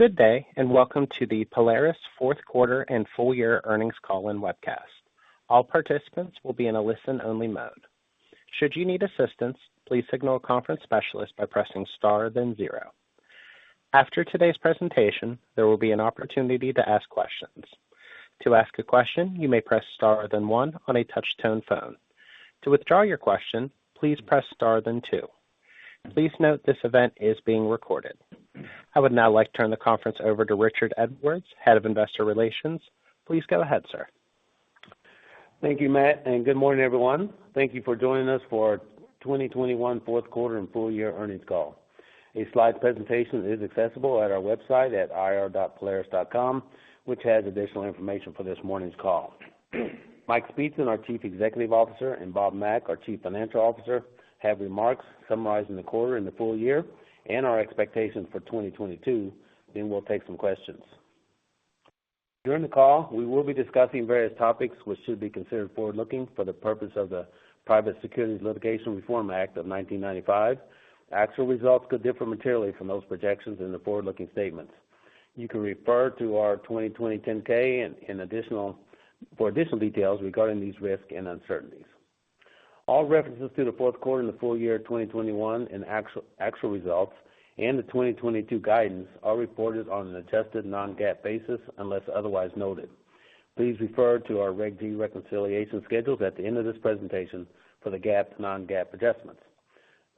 Good day, and welcome to the Polaris fourth quarter and full year earnings call and webcast. All participants will be in a listen-only mode. Should you need assistance, please signal a conference specialist by pressing Star, then zero. After today's presentation, there will be an opportunity to ask questions. To ask a question, you may press star, then one on a touch-tone phone. To withdraw your question, please press star, then two. Please note this event is being recorded. I would now like to turn the conference over to Richard Edwards, Head of Investor Relations. Please go ahead, sir. Thank you, Matt, and good morning, everyone. Thank you for joining us for 2021 Fourth Quarter and Full Year Earnings Call. A slide presentation is accessible at our website at ir.polaris.com, which has additional information for this morning's call. Mike Speetzen, our Chief Executive Officer, and Bob Mack, our Chief Financial Officer, have remarks summarizing the quarter and the full year and our expectations for 2022. Then we'll take some questions. During the call, we will be discussing various topics which should be considered forward-looking for the purpose of the Private Securities Litigation Reform Act of 1995. Actual results could differ materially from those projections in the forward-looking statements. You can refer to our 2021 10-K and additional details regarding these risks and uncertainties. All references to the fourth quarter and the full year 2021 and actual results and the 2022 guidance are reported on an adjusted non-GAAP basis, unless otherwise noted. Please refer to our Reg G reconciliation schedules at the end of this presentation for the GAAP to non-GAAP adjustments.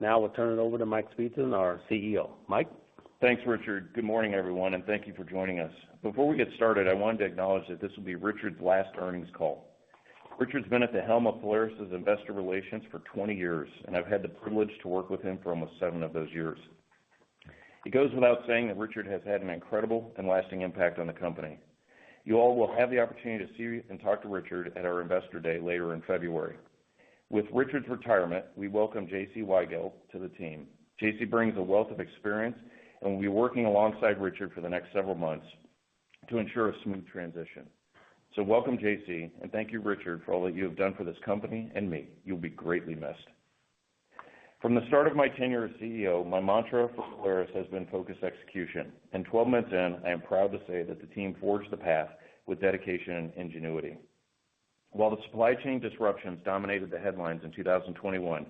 Now we'll turn it over to Mike Speetzen, our CEO. Mike? Thanks, Richard. Good morning, everyone, and thank you for joining us. Before we get started, I wanted to acknowledge that this will be Richard's last earnings call. Richard's been at the helm of Polaris' investor relations for 20 years, and I've had the privilege to work with him for almost seven of those years. It goes without saying that Richard has had an incredible and lasting impact on the company. You all will have the opportunity to see and talk to Richard at our Investor Day later in February. With Richard's retirement, we welcome J.C. Weigelt to the team. J.C. Weigelt brings a wealth of experience and will be working alongside Richard for the next several months to ensure a smooth transition. Welcome, J.C. Weigelt, and thank you, Richard, for all that you have done for this company and me. You'll be greatly missed. From the start of my tenure as CEO, my mantra for Polaris has been focus execution. Twelve months in, I am proud to say that the team forged the path with dedication and ingenuity. While the supply chain disruptions dominated the headlines in 2021,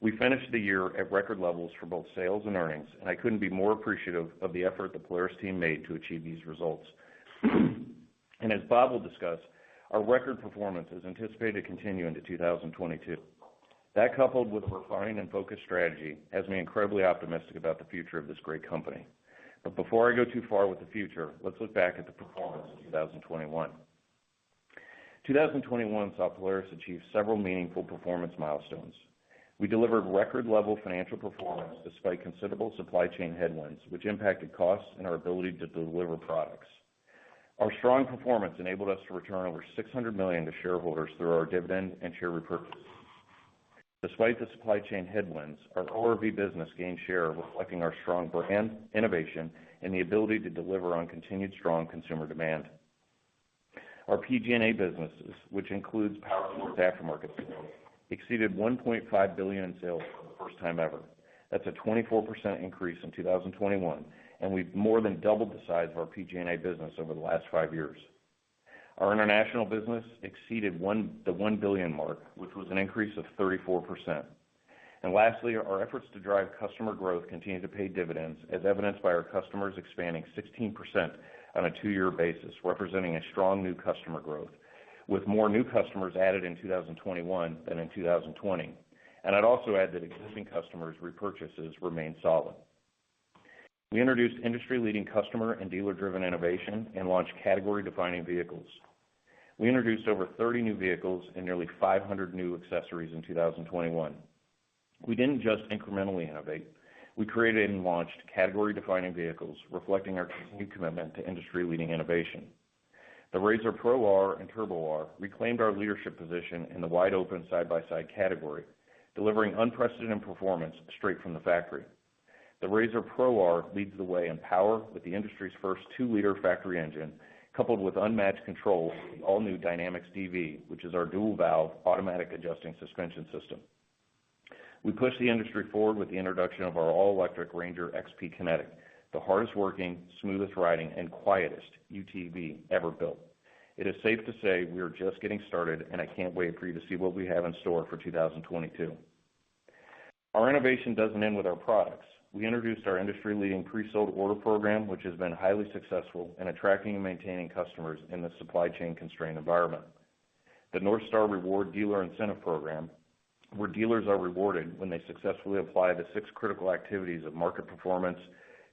we finished the year at record levels for both sales and earnings, and I couldn't be more appreciative of the effort the Polaris team made to achieve these results. As Bob will discuss, our record performance is anticipated to continue into 2022. That, coupled with a refined and focused strategy, has me incredibly optimistic about the future of this great company. Before I go too far with the future, let's look back at the performance of 2021. 2021 saw Polaris achieve several meaningful performance milestones. We delivered record-level financial performance despite considerable supply chain headwinds, which impacted costs and our ability to deliver products. Our strong performance enabled us to return over $600 million to shareholders through our dividend and share repurchase. Despite the supply chain headwinds, our ORV business gained share, reflecting our strong brand, innovation, and the ability to deliver on continued strong consumer demand. Our PG&A businesses, which includes powersports aftermarket sales, exceeded $1.5 billion in sales for the first time ever. That's a 24% increase in 2021, and we've more than doubled the size of our PG&A business over the last five years. Our international business exceeded the $1 billion mark, which was an increase of 34%. Lastly, our efforts to drive customer growth continue to pay dividends, as evidenced by our customers expanding 16% on a two-year basis, representing a strong new customer growth, with more new customers added in 2021 than in 2020. I'd also add that existing customers' repurchases remain solid. We introduced industry-leading customer and dealer-driven innovation and launched category-defining vehicles. We introduced over 30 new vehicles and nearly 500 new accessories in 2021. We didn't just incrementally innovate. We created and launched category-defining vehicles, reflecting our continued commitment to industry-leading innovation. The RZR Pro R and RZR Turbo R reclaimed our leadership position in the wide-open side-by-side category, delivering unprecedented performance straight from the factory. The RZR Pro R leads the way in power with the industry's first two-liter factory engine, coupled with unmatched controls, the all-new DYNAMIX DV, which is our dual valve automatic adjusting suspension system. We pushed the industry forward with the introduction of our all-electric Ranger XP Kinetic, the hardest working, smoothest riding, and quietest UTV ever built. It is safe to say we are just getting started, and I can't wait for you to see what we have in store for 2022. Our innovation doesn't end with our products. We introduced our industry-leading pre-sold order program, which has been highly successful in attracting and maintaining customers in this supply chain-constrained environment. The NorthStar Rewards dealer incentive program, where dealers are rewarded when they successfully apply the six critical activities of market performance,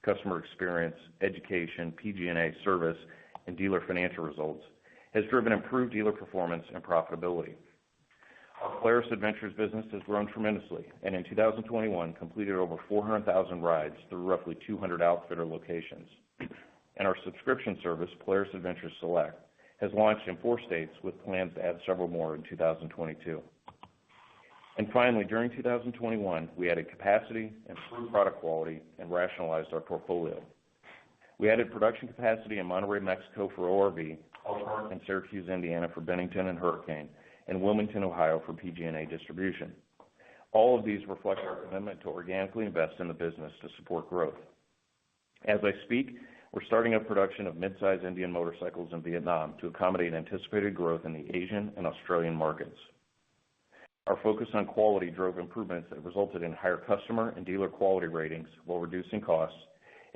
customer experience, education, PG&A service, and dealer financial results, has driven improved dealer performance and profitability. Polaris Adventures business has grown tremendously, and in 2021, completed over 400,000 rides through roughly 200 outfitter locations. Our subscription service, Polaris Adventures Select, has launched in 4 states with plans to add several more in 2022. Finally, during 2021, we added capacity, improved product quality, and rationalized our portfolio. We added production capacity in Monterrey, Mexico for ORV, and Syracuse, Indiana for Bennington and Hurricane, and Wilmington, Ohio for PG&A distribution. All of these reflect our commitment to organically invest in the business to support growth. As I speak, we're starting up production of mid-size Indian motorcycles in Vietnam to accommodate anticipated growth in the Asian and Australian markets. Our focus on quality drove improvements that resulted in higher customer and dealer quality ratings while reducing costs.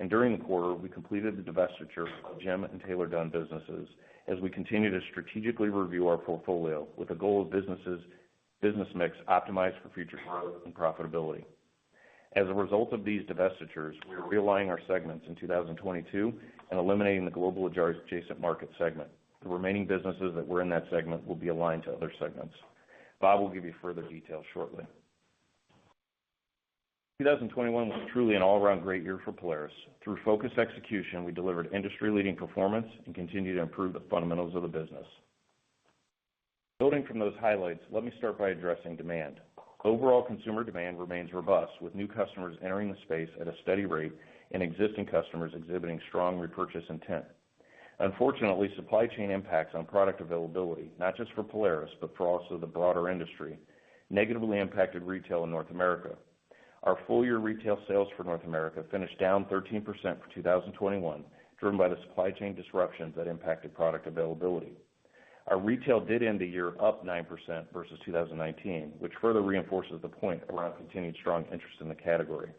During the quarter, we completed the divestiture of GEM and Taylor-Dunn businesses as we continue to strategically review our portfolio with the goal of business mix optimized for future growth and profitability. As a result of these divestitures, we are realigning our segments in 2022 and eliminating the Global Adjacent Markets segment. The remaining businesses that were in that segment will be aligned to other segments. Bob will give you further details shortly. 2021 was truly an all-around great year for Polaris. Through focused execution, we delivered industry-leading performance and continued to improve the fundamentals of the business. Building from those highlights, let me start by addressing demand. Overall, consumer demand remains robust, with new customers entering the space at a steady rate and existing customers exhibiting strong repurchase intent. Unfortunately, supply chain impacts on product availability, not just for Polaris, but also for the broader industry, negatively impacted retail in North America. Our full year retail sales for North America finished down 13% for 2021, driven by the supply chain disruptions that impacted product availability. Our retail did end the year up 9% versus 2019, which further reinforces the point around continued strong interest in the category.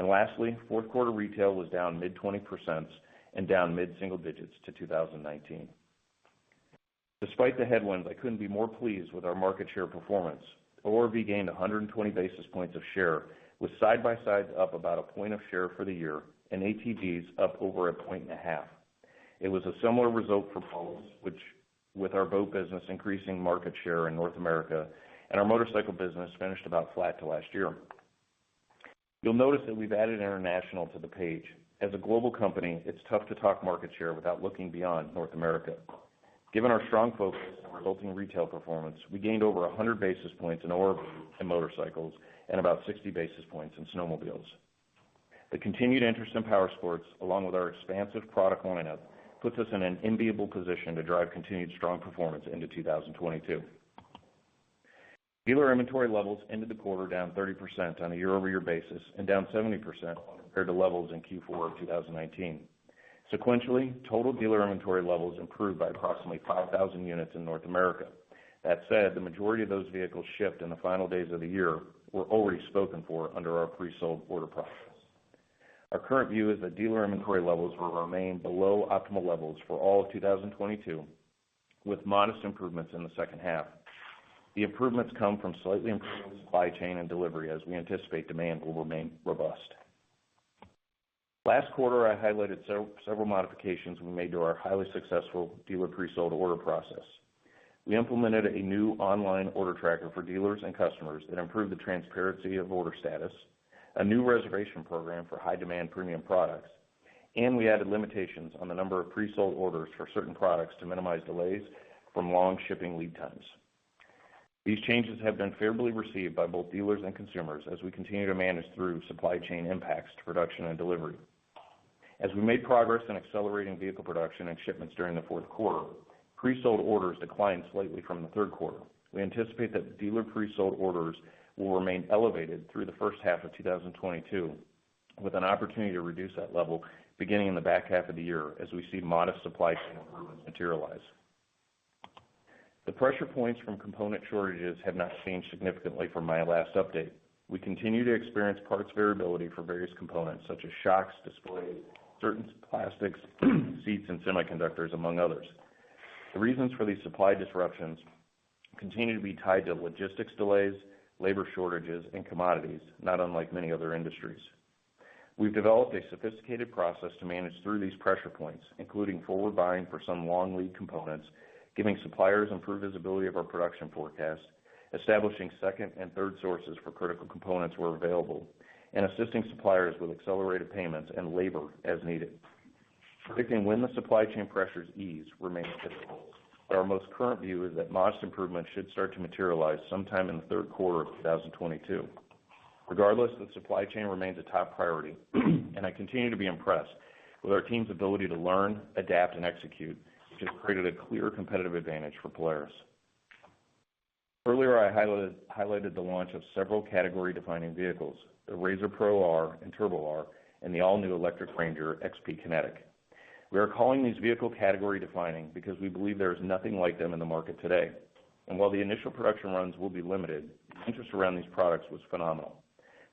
Lastly, fourth quarter retail was down mid-20%s and down mid-single digits to 2019. Despite the headwinds, I couldn't be more pleased with our market share performance. ORV gained 120 basis points of share with side-by-sides up about 1 point of share for the year and ATVs up over 1.5 points. It was a similar result for boats, which with our boat business increasing market share in North America and our motorcycle business finished about flat to last year. You'll notice that we've added international to the page. As a global company, it's tough to talk market share without looking beyond North America. Given our strong focus on resulting retail performance, we gained over 100 basis points in ORV and motorcycles and about 60 basis points in snowmobiles. The continued interest in powersports, along with our expansive product lineup, puts us in an enviable position to drive continued strong performance into 2022. Dealer inventory levels ended the quarter down 30% on a year-over-year basis and down 70% compared to levels in Q4 of 2019. Sequentially, total dealer inventory levels improved by approximately 5,000 units in North America. That said, the majority of those vehicles shipped in the final days of the year were already spoken for under our presold order process. Our current view is that dealer inventory levels will remain below optimal levels for all of 2022, with modest improvements in the second half. The improvements come from slightly improved supply chain and delivery as we anticipate demand will remain robust. Last quarter, I highlighted several modifications we made to our highly successful dealer presold order process. We implemented a new online order tracker for dealers and customers that improved the transparency of order status, a new reservation program for high-demand premium products, and we added limitations on the number of presold orders for certain products to minimize delays from long shipping lead times. These changes have been favorably received by both dealers and consumers as we continue to manage through supply chain impacts to production and delivery. As we made progress in accelerating vehicle production and shipments during the fourth quarter, presold orders declined slightly from the third quarter. We anticipate that dealer presold orders will remain elevated through the first half of 2022, with an opportunity to reduce that level beginning in the back half of the year as we see modest supply chain improvements materialize. The pressure points from component shortages have not changed significantly from my last update. We continue to experience parts variability for various components such as shocks, displays, certain plastics, seats, and semiconductors, among others. The reasons for these supply disruptions continue to be tied to logistics delays, labor shortages, and commodities, not unlike many other industries. We've developed a sophisticated process to manage through these pressure points, including forward buying for some long lead components, giving suppliers improved visibility of our production forecasts, establishing second and third sources for critical components where available, and assisting suppliers with accelerated payments and labor as needed. Predicting when the supply chain pressures ease remains difficult, but our most current view is that modest improvements should start to materialize sometime in the third quarter of 2022. Regardless, the supply chain remains a top priority, and I continue to be impressed with our team's ability to learn, adapt, and execute, which has created a clear competitive advantage for Polaris. Earlier, I highlighted the launch of several category-defining vehicles, the RZR Pro R and Turbo R, and the all-new electric RANGER XP Kinetic. We are calling these vehicle category-defining because we believe there is nothing like them in the market today. While the initial production runs will be limited, interest around these products was phenomenal.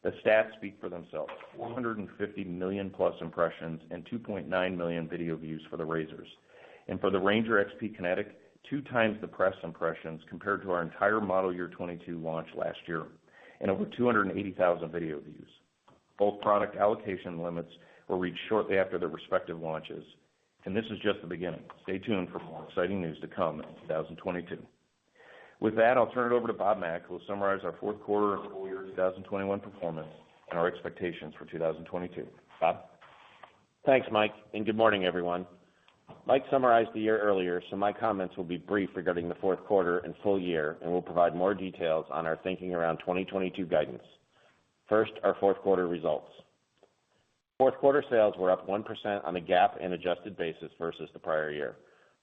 The stats speak for themselves, 450 million-plus impressions and 2.9 million video views for the RZRs. For the RANGER XP Kinetic, two times the press impressions compared to our entire model year 2022 launch last year and over 280,000 video views. Both product allocation limits were reached shortly after their respective launches, and this is just the beginning. Stay tuned for more exciting news to come in 2022. With that, I'll turn it over to Bob Mack, who will summarize our fourth quarter and full year 2021 performance and our expectations for 2022. Bob? Thanks, Mike, and good morning, everyone. Mike summarized the year earlier, so my comments will be brief regarding the fourth quarter and full year, and we'll provide more details on our thinking around 2022 guidance. First, our fourth quarter results. Fourth quarter sales were up 1% on a GAAP and adjusted basis versus the prior year.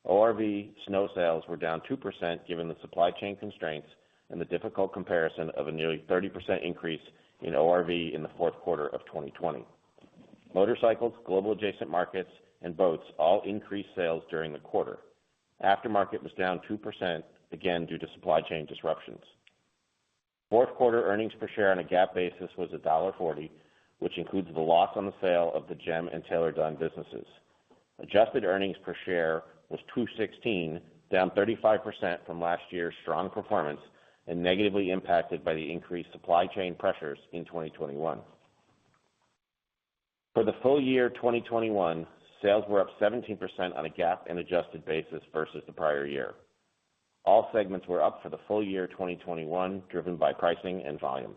ORV snow sales were down 2% given the supply chain constraints and the difficult comparison of a nearly 30% increase in ORV in the fourth quarter of 2020. Motorcycles, Global Adjacent Markets, and boats all increased sales during the quarter. Aftermarket was down 2%, again, due to supply chain disruptions. Fourth quarter earnings per share on a GAAP basis was $1.40, which includes the loss on the sale of the GEM and Taylor-Dunn businesses. Adjusted earnings per share was $2.16, down 35% from last year's strong performance and negatively impacted by the increased supply chain pressures in 2021. For the full year 2021, sales were up 17% on a GAAP and adjusted basis versus the prior year. All segments were up for the full year 2021, driven by pricing and volume.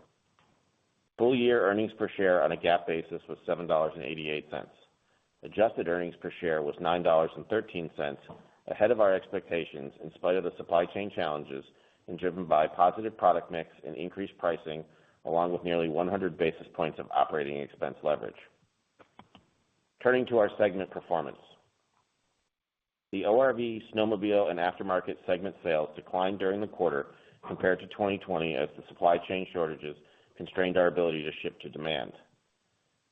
Full-year earnings per share on a GAAP basis was $7.88. Adjusted earnings per share was $9.13 ahead of our expectations in spite of the supply chain challenges and driven by positive product mix and increased pricing, along with nearly 100 basis points of operating expense leverage. Turning to our segment performance. The ORV snowmobile and aftermarket segment sales declined during the quarter compared to 2020 as the supply chain shortages constrained our ability to ship to demand.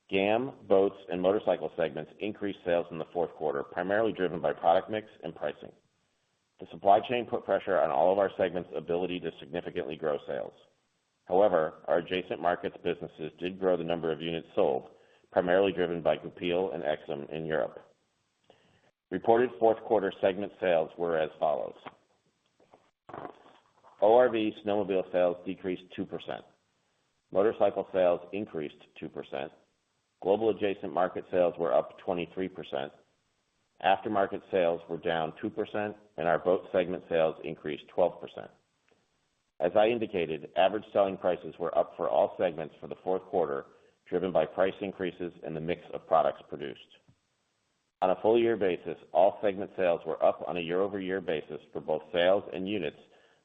GAM, boats, and motorcycle segments increased sales in the fourth quarter, primarily driven by product mix and pricing. The supply chain put pressure on all of our segments' ability to significantly grow sales. However, our adjacent markets businesses did grow the number of units sold, primarily driven by GOUPiL and Aixam in Europe. Reported fourth quarter segment sales were as follows: ORV snowmobile sales decreased 2%. Motorcycle sales increased 2%. Global Adjacent Markets sales were up 23%. Aftermarket sales were down 2%, and our boat segment sales increased 12%. As I indicated, average selling prices were up for all segments for the fourth quarter, driven by price increases and the mix of products produced. On a full year basis, all segment sales were up on a year-over-year basis for both sales and units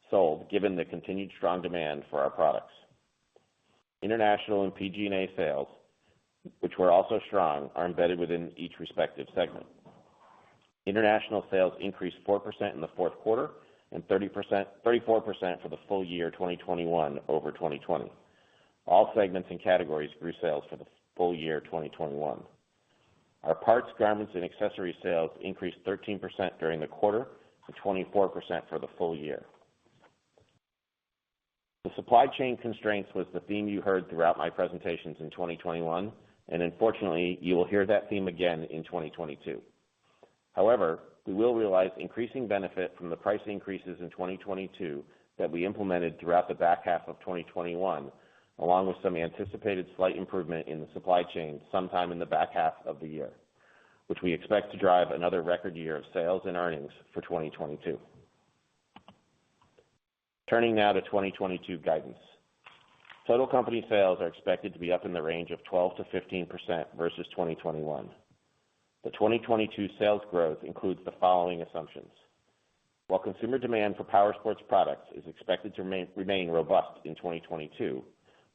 sold, given the continued strong demand for our products. International and PG&A sales, which were also strong, are embedded within each respective segment. International sales increased 4% in the fourth quarter and 34% for the full year 2021 over 2020. All segments and categories grew sales for the full year 2021. Our parts, garments, and accessory sales increased 13% during the quarter to 24% for the full year. The supply chain constraints was the theme you heard throughout my presentations in 2021, and unfortunately, you will hear that theme again in 2022. However, we will realize increasing benefit from the price increases in 2022 that we implemented throughout the back half of 2021, along with some anticipated slight improvement in the supply chain sometime in the back half of the year, which we expect to drive another record year of sales and earnings for 2022. Turning now to 2022 guidance. Total company sales are expected to be up in the range of 12%-15% versus 2021. The 2022 sales growth includes the following assumptions. While consumer demand for powersports products is expected to remain robust in 2022,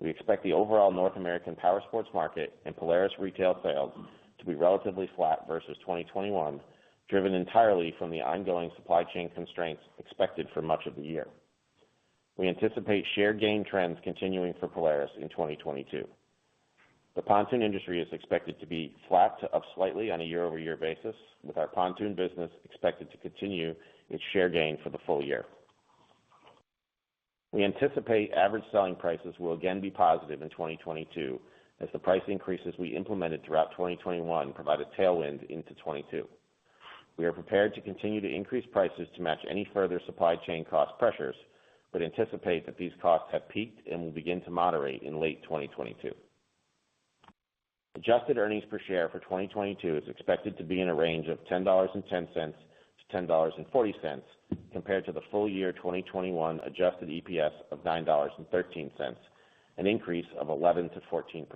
we expect the overall North American powersports market and Polaris retail sales to be relatively flat versus 2021, driven entirely from the ongoing supply chain constraints expected for much of the year. We anticipate share gain trends continuing for Polaris in 2022. The pontoon industry is expected to be flat to up slightly on a year-over-year basis, with our pontoon business expected to continue its share gain for the full year. We anticipate average selling prices will again be positive in 2022 as the price increases we implemented throughout 2021 provide a tailwind into 2022. We are prepared to continue to increase prices to match any further supply chain cost pressures, but anticipate that these costs have peaked and will begin to moderate in late 2022. Adjusted earnings per share for 2022 is expected to be in a range of $10.10-$10.40 compared to the full year 2021 adjusted EPS of $9.13, an increase of 11%-14%.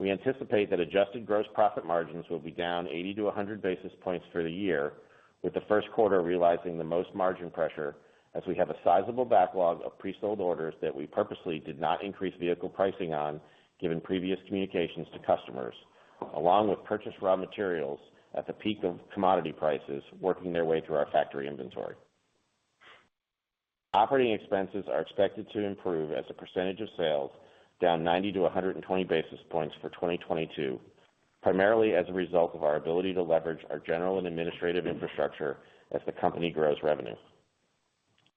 We anticipate that adjusted gross profit margins will be down 80-100 basis points for the year, with the first quarter realizing the most margin pressure as we have a sizable backlog of pre-sold orders that we purposely did not increase vehicle pricing on given previous communications to customers, along with purchased raw materials at the peak of commodity prices working their way through our factory inventory. Operating expenses are expected to improve as a percentage of sales down 90-120 basis points for 2022, primarily as a result of our ability to leverage our general and administrative infrastructure as the company grows revenue.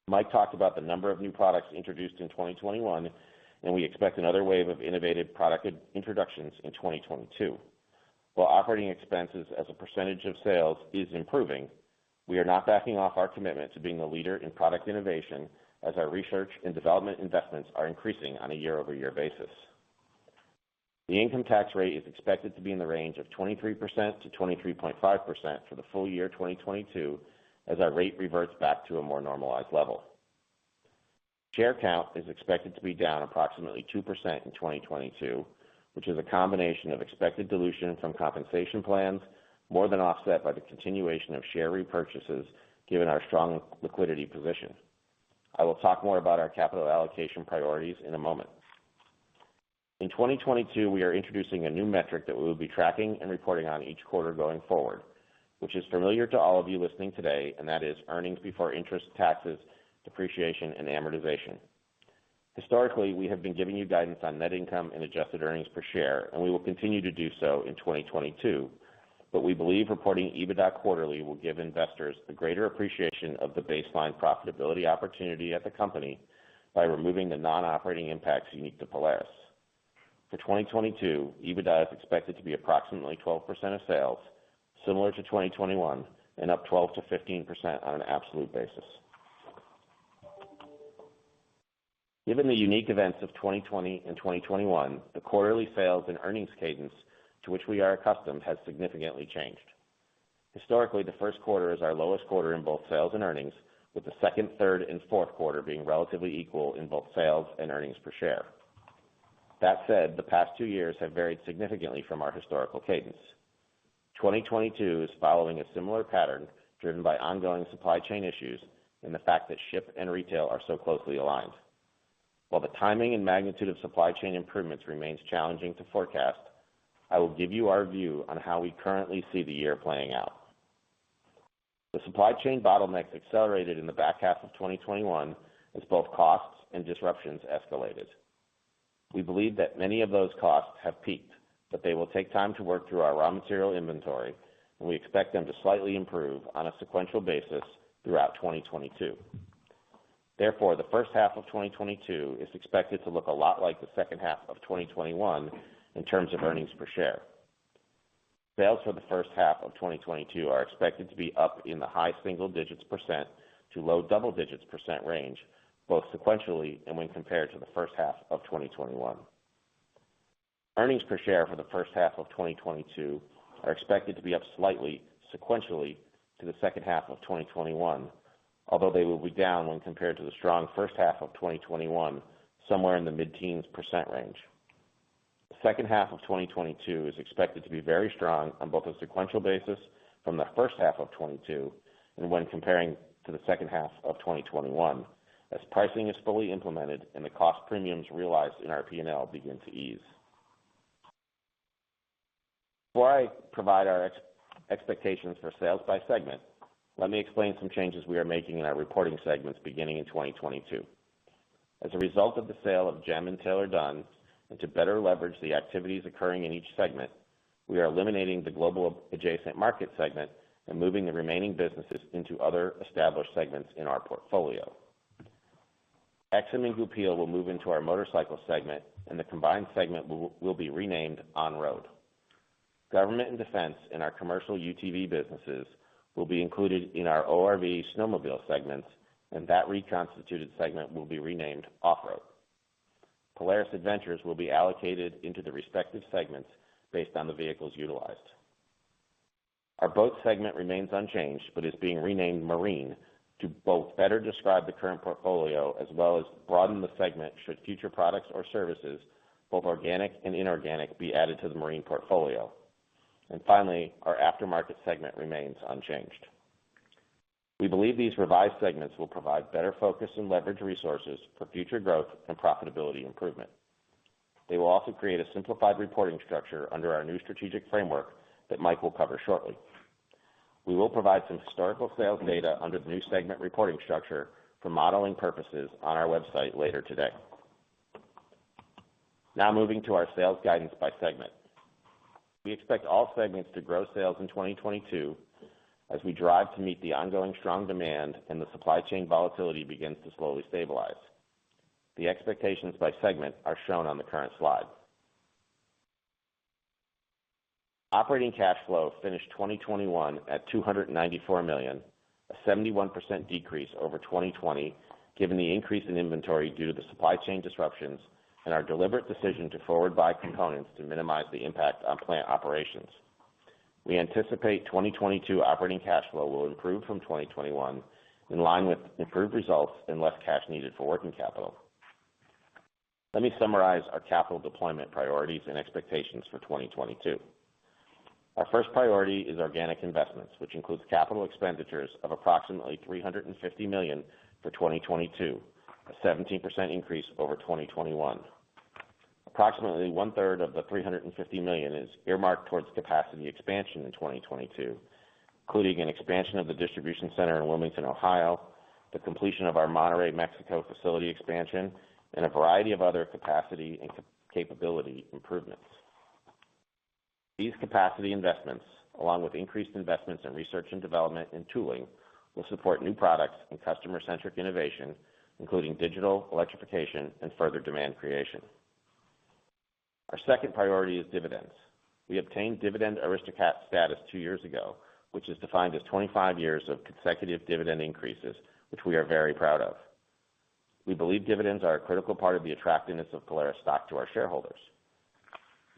Mike talked about the number of new products introduced in 2021, and we expect another wave of innovative product introductions in 2022. While operating expenses as a percentage of sales is improving, we are not backing off our commitment to being the leader in product innovation as our research and development investments are increasing on a year-over-year basis. The income tax rate is expected to be in the range of 23%-23.5% for the full year 2022 as our rate reverts back to a more normalized level. Share count is expected to be down approximately 2% in 2022, which is a combination of expected dilution from compensation plans more than offset by the continuation of share repurchases given our strong liquidity position. I will talk more about our capital allocation priorities in a moment. In 2022, we are introducing a new metric that we will be tracking and reporting on each quarter going forward, which is familiar to all of you listening today, and that is earnings before interest, taxes, depreciation, and amortization. Historically, we have been giving you guidance on net income and adjusted earnings per share, and we will continue to do so in 2022. We believe reporting EBITDA quarterly will give investors the greater appreciation of the baseline profitability opportunity at the company by removing the non-operating impacts unique to Polaris. For 2022, EBITDA is expected to be approximately 12% of sales similar to 2021 and up 12%-15% on an absolute basis. Given the unique events of 2020 and 2021, the quarterly sales and earnings cadence to which we are accustomed has significantly changed. Historically, the first quarter is our lowest quarter in both sales and earnings, with the second, third and fourth quarter being relatively equal in both sales and earnings per share. That said, the past two years have varied significantly from our historical cadence. 2022 is following a similar pattern driven by ongoing supply chain issues and the fact that ship and retail are so closely aligned. While the timing and magnitude of supply chain improvements remains challenging to forecast, I will give you our view on how we currently see the year playing out. The supply chain bottlenecks accelerated in the back half of 2021 as both costs and disruptions escalated. We believe that many of those costs have peaked, but they will take time to work through our raw material inventory and we expect them to slightly improve on a sequential basis throughout 2022. Therefore, the first half of 2022 is expected to look a lot like the second half of 2021 in terms of earnings per share. Sales for the first half of 2022 are expected to be up in the high single-digits percent to low double-digits percent range, both sequentially and when compared to the first half of 2021. Earnings per share for the first half of 2022 are expected to be up slightly sequentially to the second half of 2021. Although they will be down when compared to the strong first half of 2021, somewhere in the mid-teens percent range. The second half of 2022 is expected to be very strong on both a sequential basis from the first half of 2022 and when comparing to the second half of 2021 as pricing is fully implemented and the cost premiums realized in our P&L begin to ease. Before I provide our expectations for sales by segment, let me explain some changes we are making in our reporting segments beginning in 2022. As a result of the sale of GEM and Taylor-Dunn and to better leverage the activities occurring in each segment, we are eliminating the Global Adjacent Markets segment and moving the remaining businesses into other established segments in our portfolio. GEM and GOUPiL will move into our motorcycle segment and the combined segment will be renamed On Road. Government and Defense and our commercial UTV businesses will be included in our ORV snowmobile segments and that reconstituted segment will be renamed Off-Road. Polaris Adventures will be allocated into the respective segments based on the vehicles utilized. Our boat segment remains unchanged but is being renamed Marine to both better describe the current portfolio as well as broaden the segment should future products or services, both organic and inorganic, be added to the Marine portfolio. Finally, our aftermarket segment remains unchanged. We believe these revised segments will provide better focus and leverage resources for future growth and profitability improvement. They will also create a simplified reporting structure under our new strategic framework that Mike will cover shortly. We will provide some historical sales data under the new segment reporting structure for modeling purposes on our website later today. Now moving to our sales guidance by segment. We expect all segments to grow sales in 2022 as we drive to meet the ongoing strong demand and the supply chain volatility begins to slowly stabilize. The expectations by segment are shown on the current slide. Operating cash flow finished 2021 at $294 million, a 71% decrease over 2020 given the increase in inventory due to the supply chain disruptions and our deliberate decision to forward buy components to minimize the impact on plant operations. We anticipate 2022 operating cash flow will improve from 2021 in line with improved results and less cash needed for working capital. Let me summarize our capital deployment priorities and expectations for 2022. Our first priority is organic investments, which includes capital expenditures of approximately $350 million for 2022, a 17% increase over 2021. Approximately 1/3 of the $350 million is earmarked towards capacity expansion in 2022, including an expansion of the distribution center in Wilmington, Ohio, the completion of our Monterrey, Mexico facility expansion and a variety of other capacity and capability improvements. These capacity investments, along with increased investments in research and development and tooling will support new products and customer-centric innovation, including digital electrification and further demand creation. Our second priority is dividends. We obtained Dividend Aristocrat status two years ago, which is defined as 25 years of consecutive dividend increases, which we are very proud of. We believe dividends are a critical part of the attractiveness of Polaris stock to our shareholders.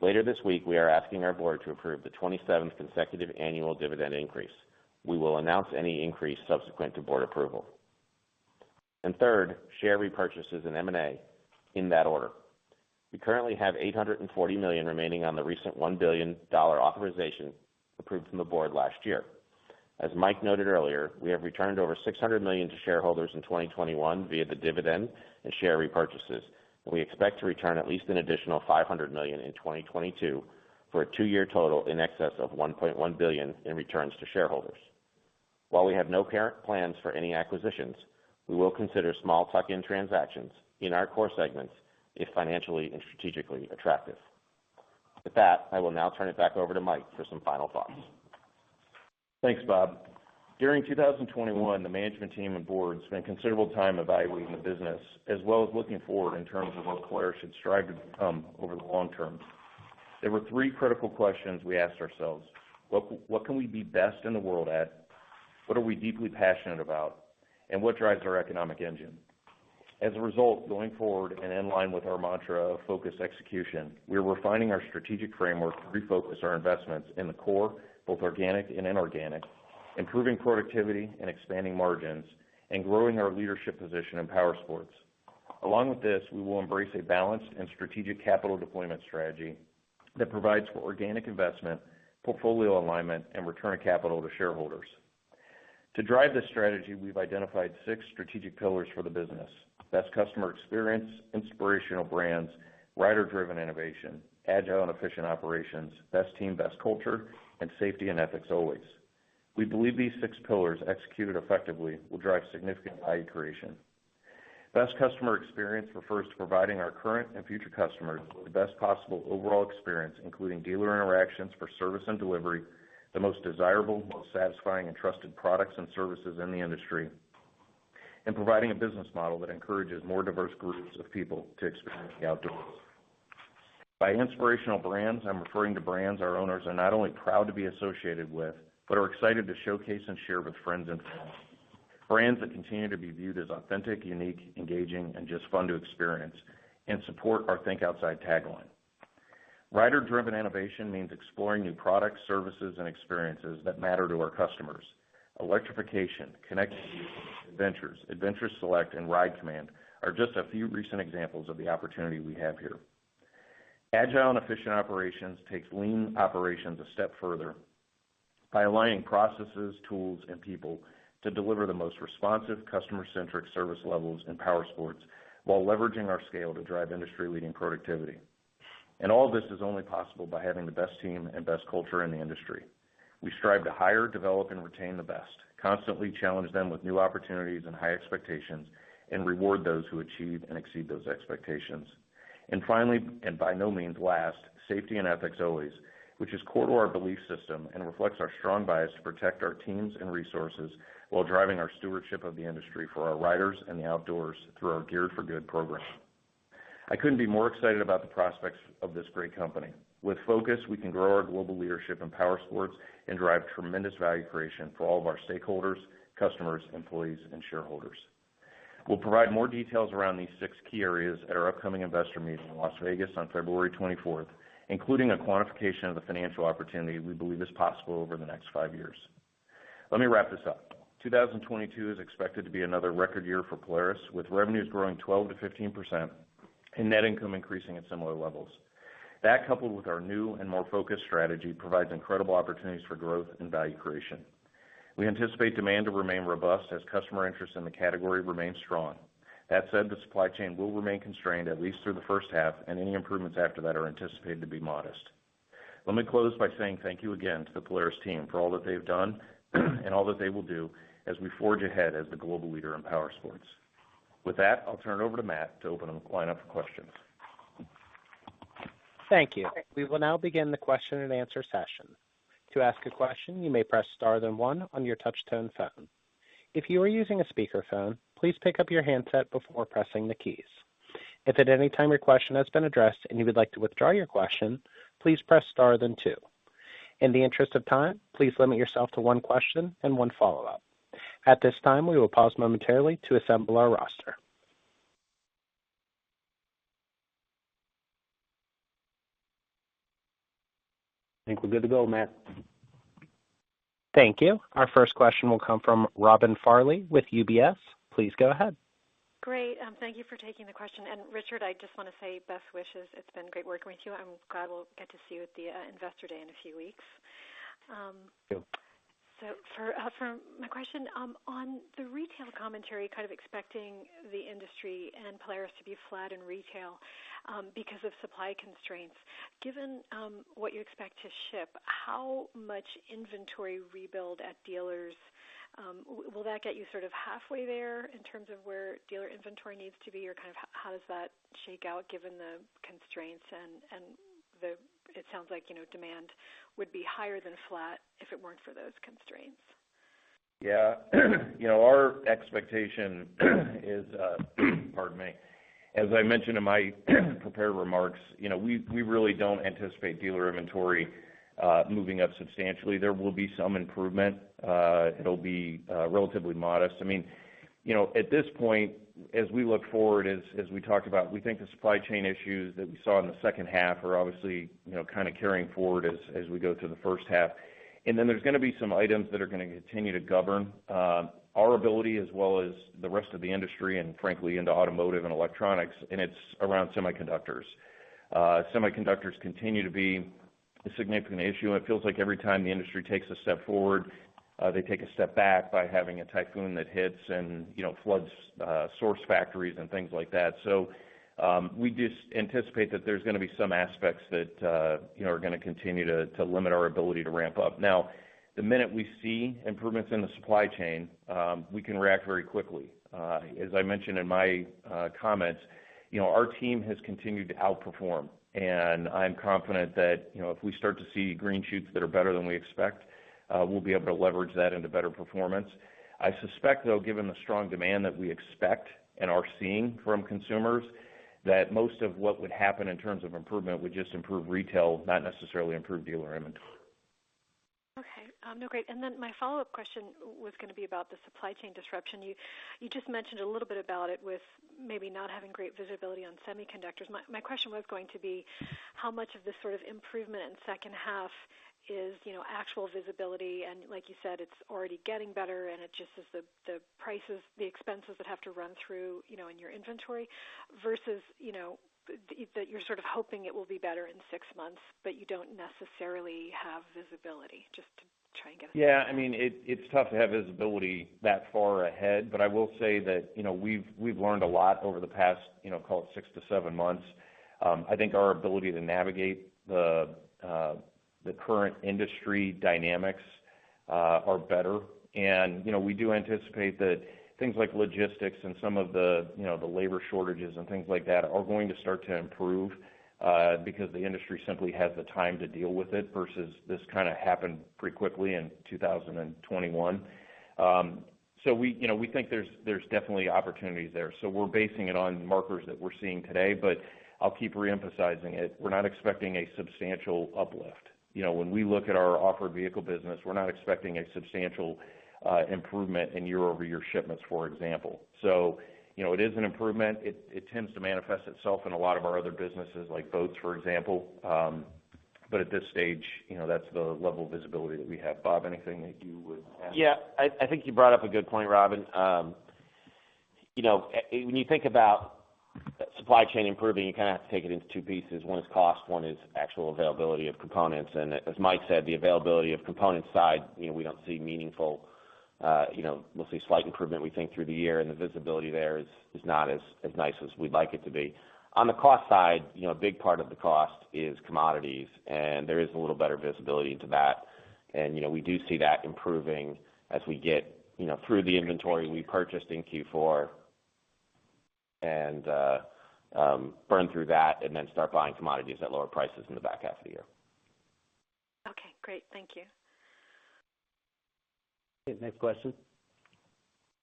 Later this week, we are asking our board to approve the 27th consecutive annual dividend increase. We will announce any increase subsequent to board approval. Third, share repurchases and M&A in that order. We currently have $840 million remaining on the recent $1 billion authorization approved from the board last year. As Mike noted earlier, we have returned over $600 million to shareholders in 2021 via the dividend and share repurchases. We expect to return at least an additional $500 million in 2022 for a two-year total in excess of $1.1 billion in returns to shareholders. While we have no current plans for any acquisitions, we will consider small tuck-in transactions in our core segments if financially and strategically attractive. With that, I will now turn it back over to Mike for some final thoughts. Thanks, Bob. During 2021, the management team and board spent considerable time evaluating the business as well as looking forward in terms of what Polaris should strive to become over the long term. There were three critical questions we asked ourselves. What can we be best in the world at? What are we deeply passionate about? And what drives our economic engine? As a result, going forward and in line with our mantra of focused execution, we're refining our strategic framework to refocus our investments in the core, both organic and inorganic, improving productivity and expanding margins, and growing our leadership position in powersports. Along with this, we will embrace a balanced and strategic capital deployment strategy that provides for organic investment, portfolio alignment, and return of capital to shareholders. To drive this strategy, we've identified six strategic pillars for the business. Best customer experience, inspirational brands, rider-driven innovation, agile and efficient operations, best team, best culture, and safety and ethics always. We believe these six pillars executed effectively will drive significant value creation. Best customer experience refers to providing our current and future customers with the best possible overall experience, including dealer interactions for service and delivery, the most desirable, most satisfying and trusted products and services in the industry, and providing a business model that encourages more diverse groups of people to experience the outdoors. By inspirational brands, I'm referring to brands our owners are not only proud to be associated with, but are excited to showcase and share with friends and family. Brands that continue to be viewed as authentic, unique, engaging, and just fun to experience and support our Think Outside tagline. Rider-driven innovation means exploring new products, services, and experiences that matter to our customers. Electrification, connectivity, adventures, Adventure Select, and RIDE COMMAND are just a few recent examples of the opportunity we have here. Agile and efficient operations takes lean operations a step further by aligning processes, tools, and people to deliver the most responsive, customer-centric service levels in powersports while leveraging our scale to drive industry-leading productivity. All this is only possible by having the best team and best culture in the industry. We strive to hire, develop, and retain the best, constantly challenge them with new opportunities and high expectations, and reward those who achieve and exceed those expectations. Finally, and by no means last, safety and ethics always, which is core to our belief system and reflects our strong bias to protect our teams and resources while driving our stewardship of the industry for our riders and the outdoors through our Geared For Good program. I couldn't be more excited about the prospects of this great company. With focus, we can grow our global leadership in powersports and drive tremendous value creation for all of our stakeholders, customers, employees, and shareholders. We'll provide more details around these six key areas at our upcoming investor meeting in Las Vegas on February 24th, including a quantification of the financial opportunity we believe is possible over the next five years. Let me wrap this up. 2022 is expected to be another record year for Polaris, with revenues growing 12%-15% and net income increasing at similar levels. That, coupled with our new and more focused strategy, provides incredible opportunities for growth and value creation. We anticipate demand to remain robust as customer interest in the category remains strong. That said, the supply chain will remain constrained at least through the first half, and any improvements after that are anticipated to be modest. Let me close by saying thank you again to the Polaris team for all that they've done and all that they will do as we forge ahead as the global leader in powersports. With that, I'll turn it over to Matt to open up the lineup for questions. Thank you. We will now begin the question and answer session. To ask a question, you may press star then one on your touch-tone phone. If you are using a speakerphone, please pick up your handset before pressing the keys. If at any time your question has been addressed and you would like to withdraw your question, please press star then two. In the interest of time, please limit yourself to one question and one follow-up. At this time, we will pause momentarily to assemble our roster. I think we're good to go, Matt. Thank you. Our first question will come from Robin Farley with UBS. Please go ahead. Great. Thank you for taking the question. Richard, I just wanna say best wishes. It's been great working with you, and I'm glad we'll get to see you at the Investor Day in a few weeks. Thank you. For my question on the retail commentary, kind of expecting the industry and Polaris to be flat in retail because of supply constraints. Given what you expect to ship, how much inventory rebuild at dealers, will that get you sort of halfway there in terms of where dealer inventory needs to be? Or kind of how does that shake out given the constraints. It sounds like, you know, demand would be higher than flat if it weren't for those constraints. Yeah. You know, our expectation is, pardon me. As I mentioned in my prepared remarks, you know, we really don't anticipate dealer inventory moving up substantially. There will be some improvement. It'll be relatively modest. I mean, you know, at this point, as we look forward, as we talked about, we think the supply chain issues that we saw in the second half are obviously, you know, kind of carrying forward as we go through the first half. Then there's gonna be some items that are gonna continue to govern our ability as well as the rest of the industry and frankly, into automotive and electronics, and it's around semiconductors. Semiconductors continue to be a significant issue. It feels like every time the industry takes a step forward, they take a step back by having a typhoon that hits and, you know, floods source factories and things like that. We just anticipate that there's gonna be some aspects that, you know, are gonna continue to limit our ability to ramp up. Now, the minute we see improvements in the supply chain, we can react very quickly. As I mentioned in my comments, you know, our team has continued to outperform, and I'm confident that, you know, if we start to see green shoots that are better than we expect, we'll be able to leverage that into better performance. I suspect, though, given the strong demand that we expect and are seeing from consumers, that most of what would happen in terms of improvement would just improve retail, not necessarily improve dealer inventory. Okay. No, great. My follow-up question was gonna be about the supply chain disruption. You just mentioned a little bit about it with maybe not having great visibility on semiconductors. My question was going to be how much of this sort of improvement in second half is, you know, actual visibility and like you said, it's already getting better and it just is the prices, the expenses that have to run through, you know, in your inventory versus, you know, that you're sort of hoping it will be better in six months, but you don't necessarily have visibility. Just to try and get a- Yeah. I mean, it's tough to have visibility that far ahead. I will say that, you know, we've learned a lot over the past, you know, call it six to seven months. I think our ability to navigate the current industry dynamics are better. You know, we do anticipate that things like logistics and some of the, you know, the labor shortages and things like that are going to start to improve, because the industry simply has the time to deal with it, versus this kinda happened pretty quickly in 2021. We, you know, we think there's definitely opportunities there. We're basing it on markers that we're seeing today. I'll keep re-emphasizing it. We're not expecting a substantial uplift. You know, when we look at our off-road vehicle business, we're not expecting a substantial improvement in year-over-year shipments, for example. You know, it is an improvement. It tends to manifest itself in a lot of our other businesses, like boats, for example. But at this stage, you know, that's the level of visibility that we have. Bob, anything that you would add? Yeah. I think you brought up a good point, Robin. You know, when you think about supply chain improving, you kind of have to take it into two pieces. One is cost, one is actual availability of components. As Mike said, the availability of components side, you know, we don't see meaningful, you know, we'll see slight improvement, we think, through the year, and the visibility there is not as nice as we'd like it to be. On the cost side, you know, a big part of the cost is commodities, and there is a little better visibility into that. You know, we do see that improving as we get, you know, through the inventory we purchased in Q4 and burn through that and then start buying commodities at lower prices in the back half of the year. Okay, great. Thank you. Okay. Next question.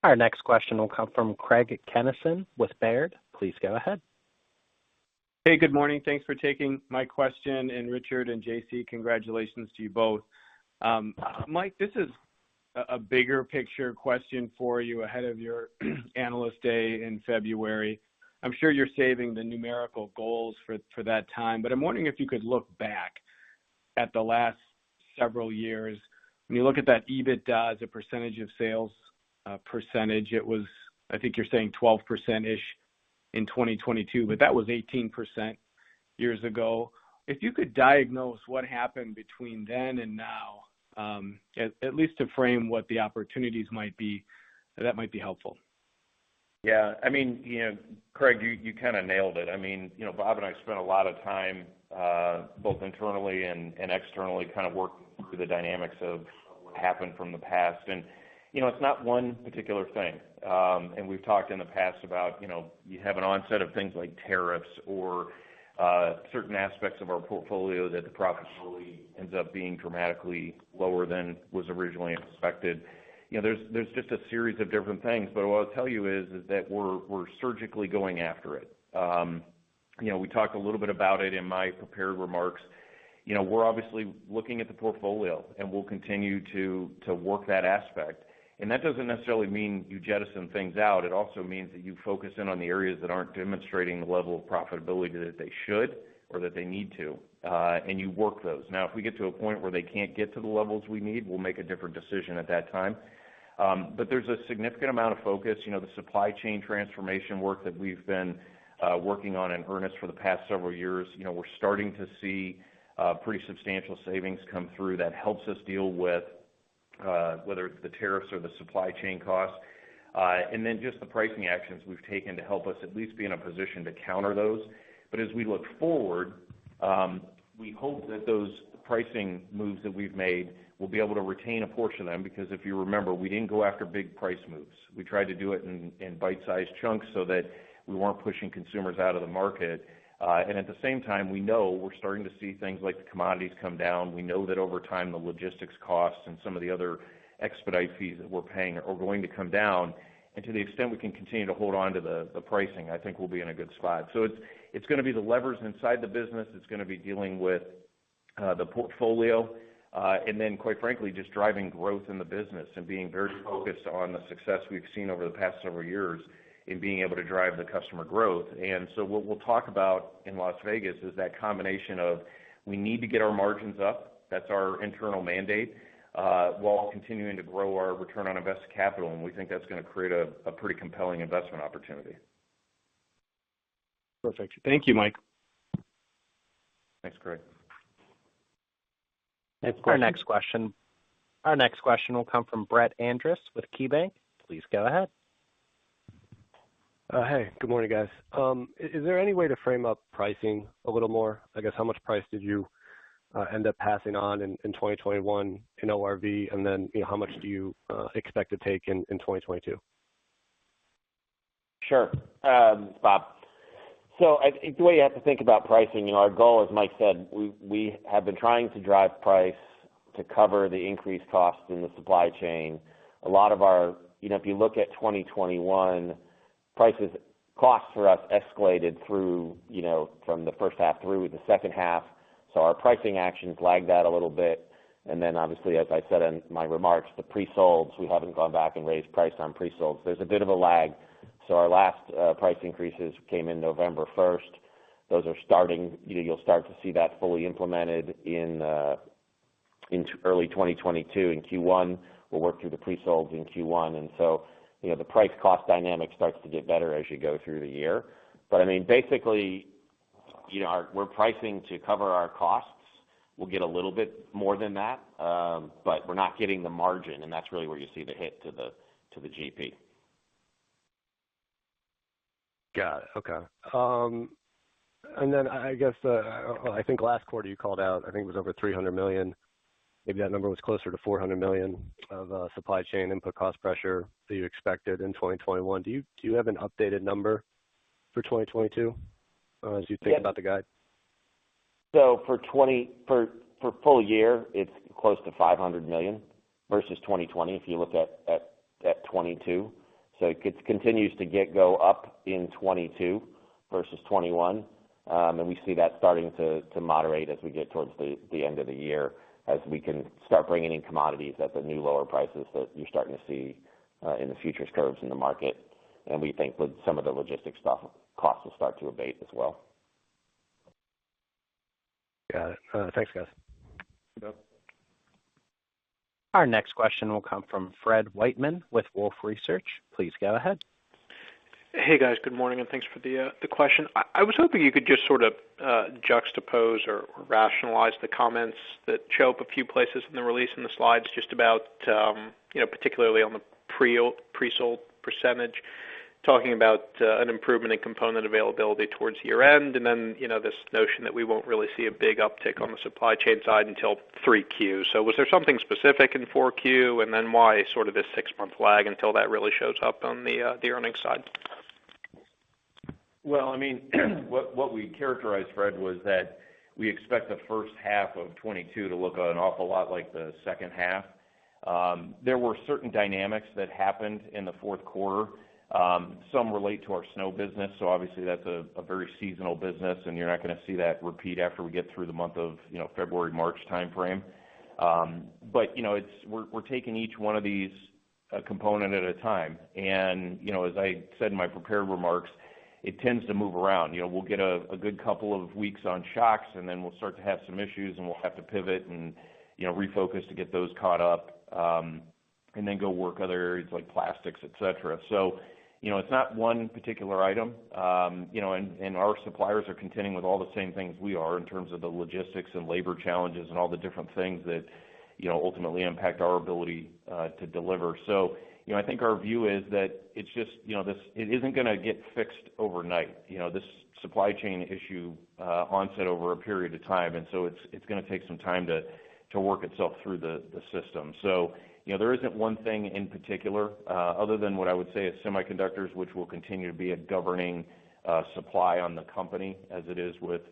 Our next question will come from Craig Kennison with Baird. Please go ahead. Hey, good morning. Thanks for taking my question, and Richard and J.C., congratulations to you both. Mike, this is a bigger picture question for you ahead of your Analyst Day in February. I'm sure you're saving the numerical goals for that time, but I'm wondering if you could look back at the last several years. When you look at that EBITDA as a percentage of sales percentage, it was, I think you're saying 12%-ish in 2022, but that was 18% years ago. If you could diagnose what happened between then and now, at least to frame what the opportunities might be, that might be helpful. Yeah, I mean, you know, Craig, you kinda nailed it. I mean, you know, Bob and I spent a lot of time both internally and externally kind of working through the dynamics of what happened from the past. You know, it's not one particular thing. We've talked in the past about, you know, you have an onset of things like tariffs or certain aspects of our portfolio that the profitability ends up being dramatically lower than was originally expected. You know, there's just a series of different things. What I'll tell you is that we're surgically going after it. You know, we talked a little bit about it in my prepared remarks. You know, we're obviously looking at the portfolio, and we'll continue to work that aspect. That doesn't necessarily mean you jettison things out. It also means that you focus in on the areas that aren't demonstrating the level of profitability that they should or that they need to, and you work those. Now, if we get to a point where they can't get to the levels we need, we'll make a different decision at that time. There's a significant amount of focus, you know, the supply chain transformation work that we've been working on in earnest for the past several years. You know, we're starting to see pretty substantial savings come through that helps us deal with whether it's the tariffs or the supply chain costs. Just the pricing actions we've taken to help us at least be in a position to counter those. As we look forward, we hope that those pricing moves that we've made, we'll be able to retain a portion of them because if you remember, we didn't go after big price moves. We tried to do it in bite-sized chunks so that we weren't pushing consumers out of the market. At the same time, we know we're starting to see things like the commodities come down. We know that over time, the logistics costs and some of the other expedite fees that we're paying are going to come down. To the extent we can continue to hold on to the pricing, I think we'll be in a good spot. It's gonna be the levers inside the business. It's gonna be dealing with the portfolio, and then quite frankly, just driving growth in the business and being very focused on the success we've seen over the past several years in being able to drive the customer growth. What we'll talk about in Las Vegas is that combination of we need to get our margins up, that's our internal mandate, while continuing to grow our return on invested capital, and we think that's gonna create a pretty compelling investment opportunity. Perfect. Thank you, Mike. Thanks, Craig. Next question. Our next question will come from Brett Andress with KeyBanc. Please go ahead. Hey, good morning, guys. Is there any way to frame up pricing a little more? I guess how much pricing did you end up passing on in 2021 in ORV and then, you know, how much do you expect to take in in 2022? Sure. Bob. The way you have to think about pricing, you know, our goal, as Mike said, we have been trying to drive price to cover the increased costs in the supply chain. A lot of our. You know, if you look at 2021, costs for us escalated through, you know, from the first half through the second half, so our pricing actions lagged out a little bit. Then obviously, as I said in my remarks, the pre-solds, we haven't gone back and raised price on pre-solds. There's a bit of a lag. Our last price increases came in November first. Those are starting. You'll start to see that fully implemented in early 2022 in Q1. We'll work through the pre-solds in Q1, and so, you know, the price cost dynamic starts to get better as you go through the year. I mean, basically, you know, we're pricing to cover our costs. We'll get a little bit more than that, but we're not getting the margin, and that's really where you see the hit to the GP. Got it. Okay. I guess I think last quarter you called out, I think it was over $300 million. Maybe that number was closer to $400 million of supply chain input cost pressure that you expected in 2021. Do you have an updated number for 2022 as you think about the guide? For full year, it's close to $500 million versus 2020, if you look at 2022. It continues to go up in 2022 versus 2021. We see that starting to moderate as we get towards the end of the year, as we can start bringing in commodities at the new lower prices that you're starting to see in the futures curves in the market. We think with some of the logistics stuff, costs will start to abate as well. Got it. Thanks, guys. Thanks, Brett. Our next question will come from Fred Wightman with Wolfe Research. Please go ahead. Hey, guys. Good morning, and thanks for the question. I was hoping you could just sort of juxtapose or rationalize the comments that show up a few places in the release in the slides just about particularly on the pre-sold percentage, talking about an improvement in component availability towards year-end, and then this notion that we won't really see a big uptick on the supply chain side until 3Q. Was there something specific in 4Q? And then why sort of this six-month lag until that really shows up on the earnings side? Well, I mean what we characterized, Fred, was that we expect the first half of 2022 to look an awful lot like the second half. There were certain dynamics that happened in the fourth quarter. Some relate to our snow business, so obviously that's a very seasonal business, and you're not gonna see that repeat after we get through the month of, you know, February, March timeframe. You know, we're taking each one of these component at a time. You know, as I said in my prepared remarks, it tends to move around. You know, we'll get a good couple of weeks on shocks, and then we'll start to have some issues, and we'll have to pivot and, you know, refocus to get those caught up, and then go work other areas like plastics, et cetera. You know, it's not one particular item. You know, and our suppliers are contending with all the same things we are in terms of the logistics and labor challenges and all the different things that, you know, ultimately impact our ability to deliver. You know, I think our view is that it's just, you know, this it isn't gonna get fixed overnight. You know, this supply chain issue onset over a period of time, and so it's gonna take some time to work itself through the system. You know, there isn't one thing in particular, other than what I would say is semiconductors, which will continue to be a governing supply on the company as it is with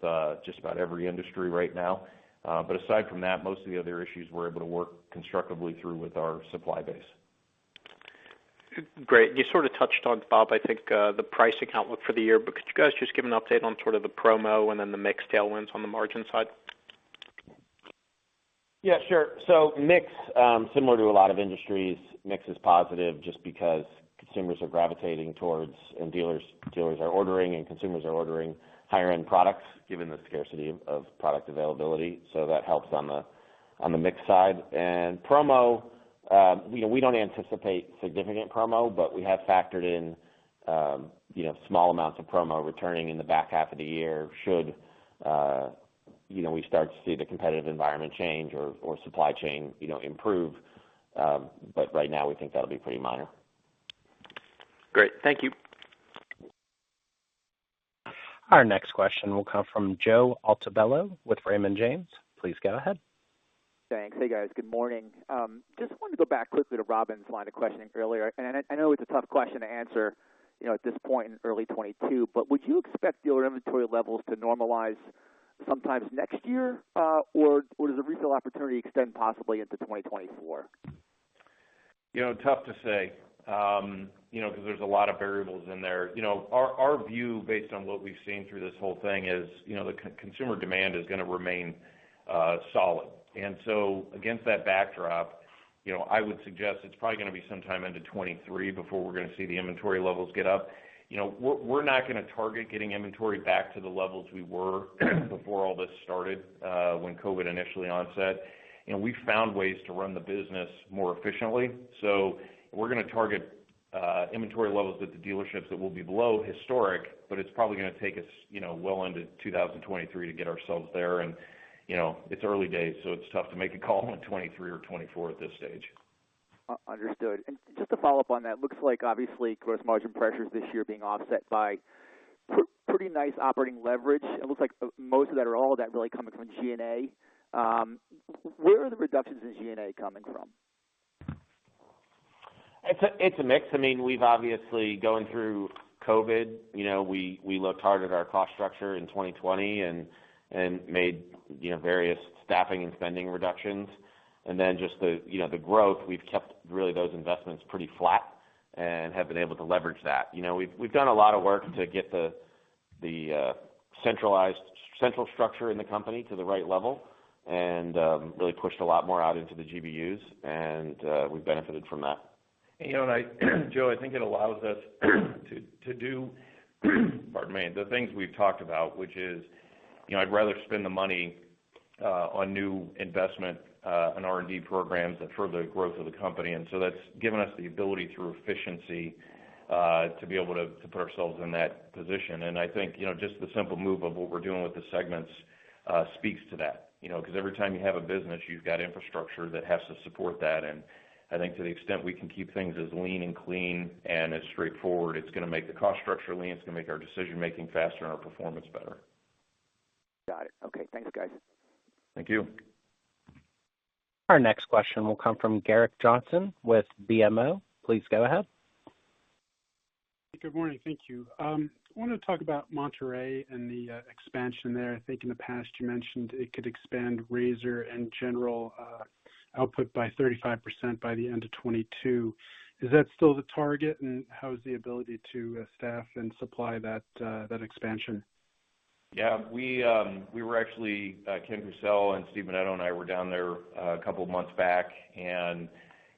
just about every industry right now. Aside from that, most of the other issues we're able to work constructively through with our supply base. Great. You sort of touched on, Bob, I think, the pricing outlook for the year, but could you guys just give an update on sort of the promo and then the mix tailwinds on the margin side? Yeah, sure. Mix, similar to a lot of industries, mix is positive just because consumers are gravitating towards, and dealers are ordering and consumers are ordering higher-end products given the scarcity of product availability. That helps on the mix side. Promo, you know, we don't anticipate significant promo, but we have factored in, you know, small amounts of promo returning in the back half of the year should we start to see the competitive environment change or supply chain improve. Right now, we think that'll be pretty minor. Great. Thank you. Our next question will come from Joe Altobello with Raymond James. Please go ahead. Thanks. Hey, guys. Good morning. Just wanted to go back quickly to Robin's line of questioning earlier. I know it's a tough question to answer, you know, at this point in early 2022, but would you expect dealer inventory levels to normalize sometime next year, or does the refill opportunity extend possibly into 2024? You know, tough to say, you know, 'cause there's a lot of variables in there. You know, our view based on what we've seen through this whole thing is, you know, the consumer demand is gonna remain solid. Against that backdrop, you know, I would suggest it's probably gonna be sometime into 2023 before we're gonna see the inventory levels get up. You know, we're not gonna target getting inventory back to the levels we were before all this started, when COVID initially onset. You know, we found ways to run the business more efficiently. We're gonna target Inventory levels at the dealerships that will be below historic, but it's probably gonna take us, you know, well into 2023 to get ourselves there. You know, it's early days, so it's tough to make a call on 2023 or 2024 at this stage. Understood. Just to follow up on that, looks like obviously gross margin pressures this year being offset by pretty nice operating leverage. It looks like most of that or all of that really coming from G&A. Where are the reductions in G&A coming from? It's a mix. I mean, we've obviously gone through COVID, you know, we looked hard at our cost structure in 2020 and made, you know, numerous staffing and spending reductions. Just the growth, you know, we've kept really those investments pretty flat and have been able to leverage that. You know, we've done a lot of work to get the centralized structure in the company to the right level and really pushed a lot more out into the GBUs, and we've benefited from that. You know, I, Joe, think it allows us to do, pardon me, the things we've talked about, which is, you know, I'd rather spend the money on new investment and R&D programs that further growth of the company. That's given us the ability through efficiency to be able to put ourselves in that position. I think, you know, just the simple move of what we're doing with the segments speaks to that. You know, 'cause every time you have a business, you've got infrastructure that has to support that. I think to the extent we can keep things as lean and clean and as straightforward, it's gonna make the cost structure lean. It's gonna make our decision-making faster and our performance better. Got it. Okay. Thanks, guys. Thank you. Our next question will come from Gerrick Johnson with BMO. Please go ahead. Good morning. Thank you. I wanna talk about Monterrey and the expansion there. I think in the past you mentioned it could expand RZR and GENERAL output by 35% by the end of 2022. Is that still the target? And how is the ability to staff and supply that expansion? Yeah. We were actually Ken Pucel and Steve Menneto and I were down there a couple of months back and,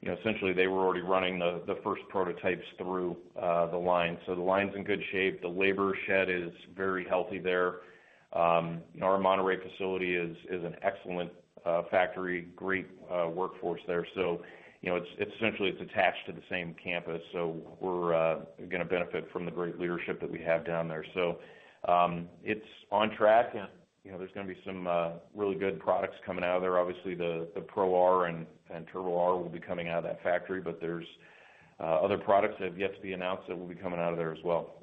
you know, essentially they were already running the first prototypes through the line. The line's in good shape. The labor shed is very healthy there. Our Monterrey facility is an excellent factory, great workforce there. You know, it's essentially attached to the same campus. We're gonna benefit from the great leadership that we have down there. It's on track and, you know, there's gonna be some really good products coming out of there. Obviously, the Pro R and Turbo R will be coming out of that factory, but there's other products that have yet to be announced that will be coming out of there as well.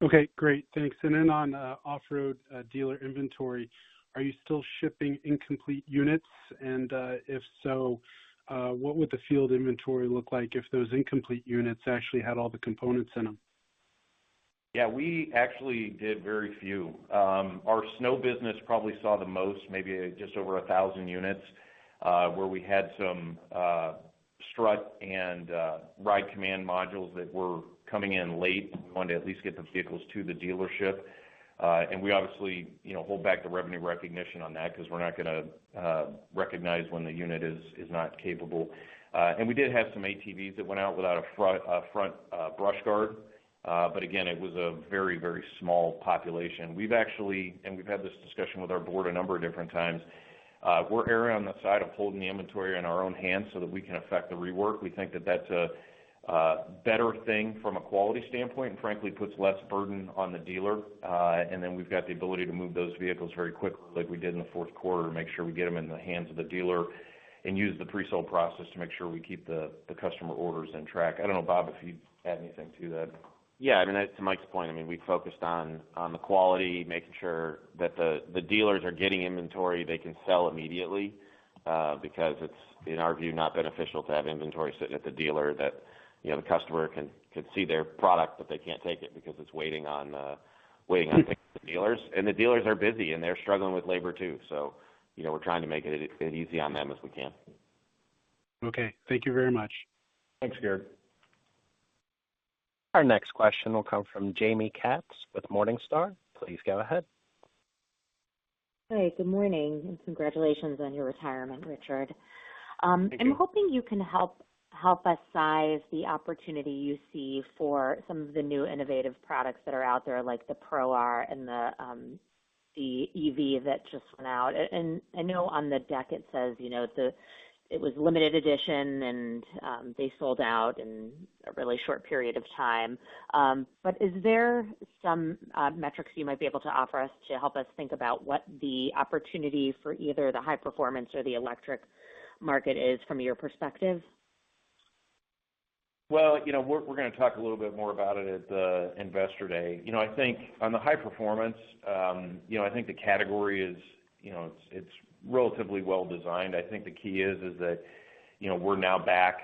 Okay, great. Thanks. On Off-Road dealer inventory, are you still shipping incomplete units? If so, what would the field inventory look like if those incomplete units actually had all the components in them? Yeah, we actually did very few. Our snow business probably saw the most, maybe just over 1,000 units, where we had some strut and RIDE COMMAND modules that were coming in late. We wanted to at least get the vehicles to the dealership. We obviously, you know, hold back the revenue recognition on that because we're not gonna recognize when the unit is not capable. We did have some ATVs that went out without a front brush guard. Again, it was a very small population. We've actually had this discussion with our board a number of different times. We're erring on the side of holding the inventory in our own hands so that we can affect the rework. We think that that's a better thing from a quality standpoint, and frankly, puts less burden on the dealer. And then we've got the ability to move those vehicles very quickly like we did in the fourth quarter, to make sure we get them in the hands of the dealer and use the pre-sale process to make sure we keep the customer orders on track. I don't know, Bob, if you'd add anything to that. Yeah. I mean, to Mike's point, we focused on the quality, making sure that the dealers are getting inventory they can sell immediately, because it's, in our view, not beneficial to have inventory sitting at the dealer that, you know, the customer can see their product, but they can't take it because it's waiting on things at the dealers. The dealers are busy, and they're struggling with labor, too. You know, we're trying to make it as easy on them as we can. Okay. Thank you very much. Thanks, Gerrick. Our next question will come from Jaime Katz with Morningstar. Please go ahead. Hey, good morning, and congratulations on your retirement, Richard. Thank you. I'm hoping you can help us size the opportunity you see for some of the new innovative products that are out there, like the Pro R and the EV that just went out. I know on the deck it says, you know, it was limited edition and they sold out in a really short period of time. Is there some metrics you might be able to offer us to help us think about what the opportunity for either the high-performance or the electric market is from your perspective? Well, you know, we're gonna talk a little bit more about it at the Investor Day. You know, I think on the high performance, you know, I think the category is, you know, it's relatively well designed. I think the key is that, you know, we're now back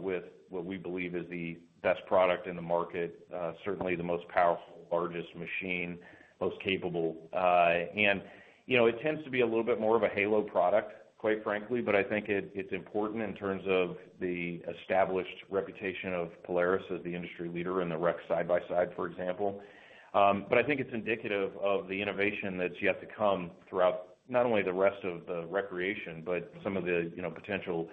with what we believe is the best product in the market, certainly the most powerful, largest machine, most capable. And, you know, it tends to be a little bit more of a halo product, quite frankly, but I think it's important in terms of the established reputation of Polaris as the industry leader in the rec side-by-side, for example. I think it's indicative of the innovation that's yet to come throughout not only the rest of the recreation, but some of the, you know, potential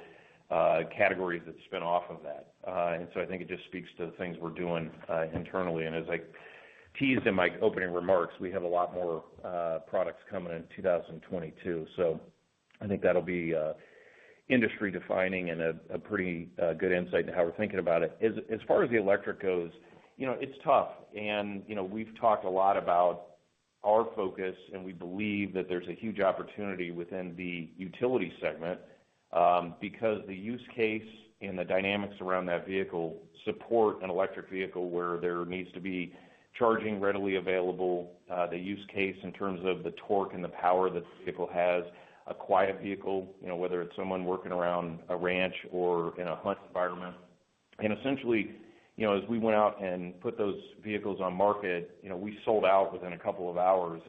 categories that spin off of that. I think it just speaks to the things we're doing internally. As I teased in my opening remarks, we have a lot more products coming in 2022. I think that'll be industry-defining and a pretty good insight into how we're thinking about it. As far as the electric goes, you know, it's tough. You know, we've talked a lot about our focus, and we believe that there's a huge opportunity within the utility segment, because the use case and the dynamics around that vehicle support an electric vehicle where there needs to be charging readily available, the use case in terms of the torque and the power that the vehicle has, a quiet vehicle, you know, whether it's someone working around a ranch or in a hunt environment. Essentially, you know, as we went out and put those vehicles on market, you know, we sold out within a couple of hours.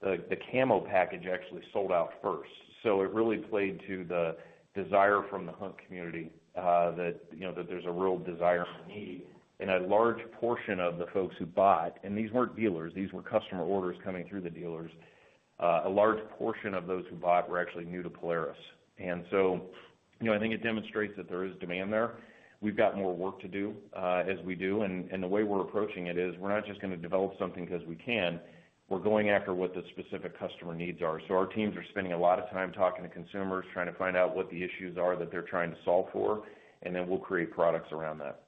The camo package actually sold out first. It really played to the desire from the hunt community, that, you know, that there's a real desire and need. A large portion of the folks who bought, and these weren't dealers, these were customer orders coming through the dealers, a large portion of those who bought were actually new to Polaris. You know, I think it demonstrates that there is demand there. We've got more work to do, as we do. The way we're approaching it is we're not just gonna develop something because we can. We're going after what the specific customer needs are. Our teams are spending a lot of time talking to consumers, trying to find out what the issues are that they're trying to solve for, and then we'll create products around that.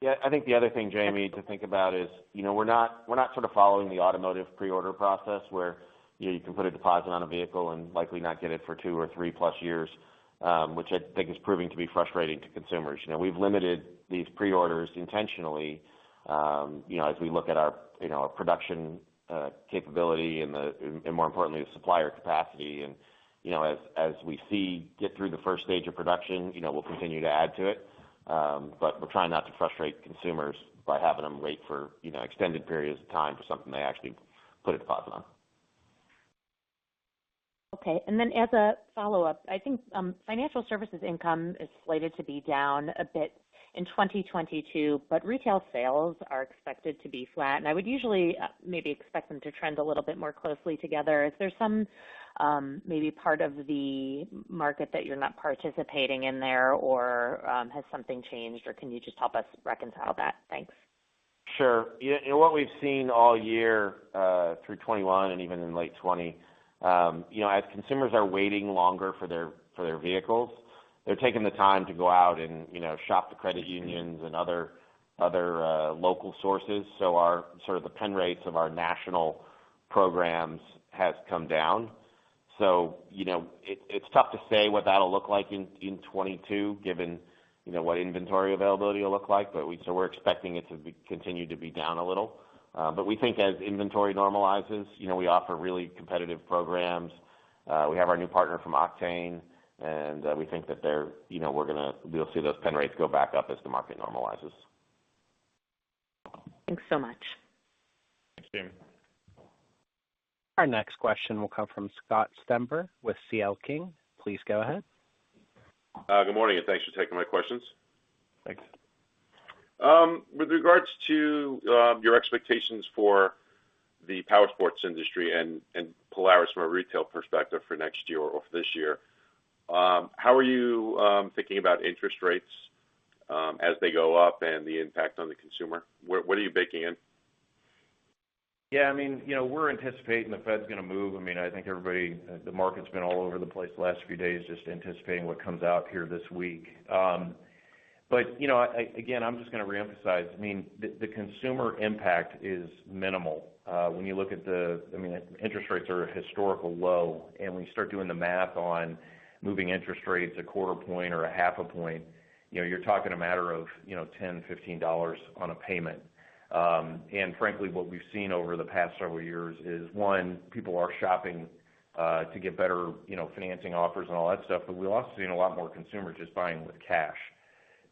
Yeah. I think the other thing, Jamie, to think about is, you know, we're not sort of following the automotive preorder process, where, you know, you can put a deposit on a vehicle and likely not get it for two or three plus years, which I think is proving to be frustrating to consumers. You know, we've limited these preorders intentionally, you know, as we look at our production capability and more importantly, the supplier capacity. You know, as we get through the first stage of production, you know, we'll continue to add to it. We're trying not to frustrate consumers by having them wait for, you know, extended periods of time for something they actually put a deposit on. Okay. As a follow-up, I think financial services income is slated to be down a bit in 2022, but retail sales are expected to be flat. I would usually maybe expect them to trend a little bit more closely together. Is there some maybe part of the market that you're not participating in there, or has something changed, or can you just help us reconcile that? Thanks. Sure. You know, what we've seen all year through 2021, and even in late 2020, you know, as consumers are waiting longer for their vehicles, they're taking the time to go out and, you know, shop the credit unions and other local sources. Our sort of the pen rates of our national programs has come down. You know, it's tough to say what that'll look like in 2022, given, you know, what inventory availability will look like. We're expecting it to continue to be down a little. We think as inventory normalizes, you know, we offer really competitive programs. We have our new partner from Octane, and we think that they're, you know, we'll see those pen rates go back up as the market normalizes. Thanks so much. Thanks, Jaime. Our next question will come from Scott Stember with CL King. Please go ahead. Good morning, and thanks for taking my questions. Thanks. With regards to your expectations for the powersports industry and Polaris from a retail perspective for next year or this year, how are you thinking about interest rates as they go up and the impact on the consumer? What are you baking in? Yeah. I mean, you know, we're anticipating the Fed's gonna move. I mean, I think everybody the market's been all over the place the last few days just anticipating what comes out here this week. But, you know, I again, I'm just gonna reemphasize. I mean, the consumer impact is minimal when you look at the I mean, interest rates are historically low. When you start doing the math on moving interest rates a quarter point or a half a point, you know, you're talking a matter of, you know, $10, $15 on a payment. And frankly, what we've seen over the past several years is, one, people are shopping to get better, you know, financing offers and all that stuff, but we've also seen a lot more consumers just buying with cash.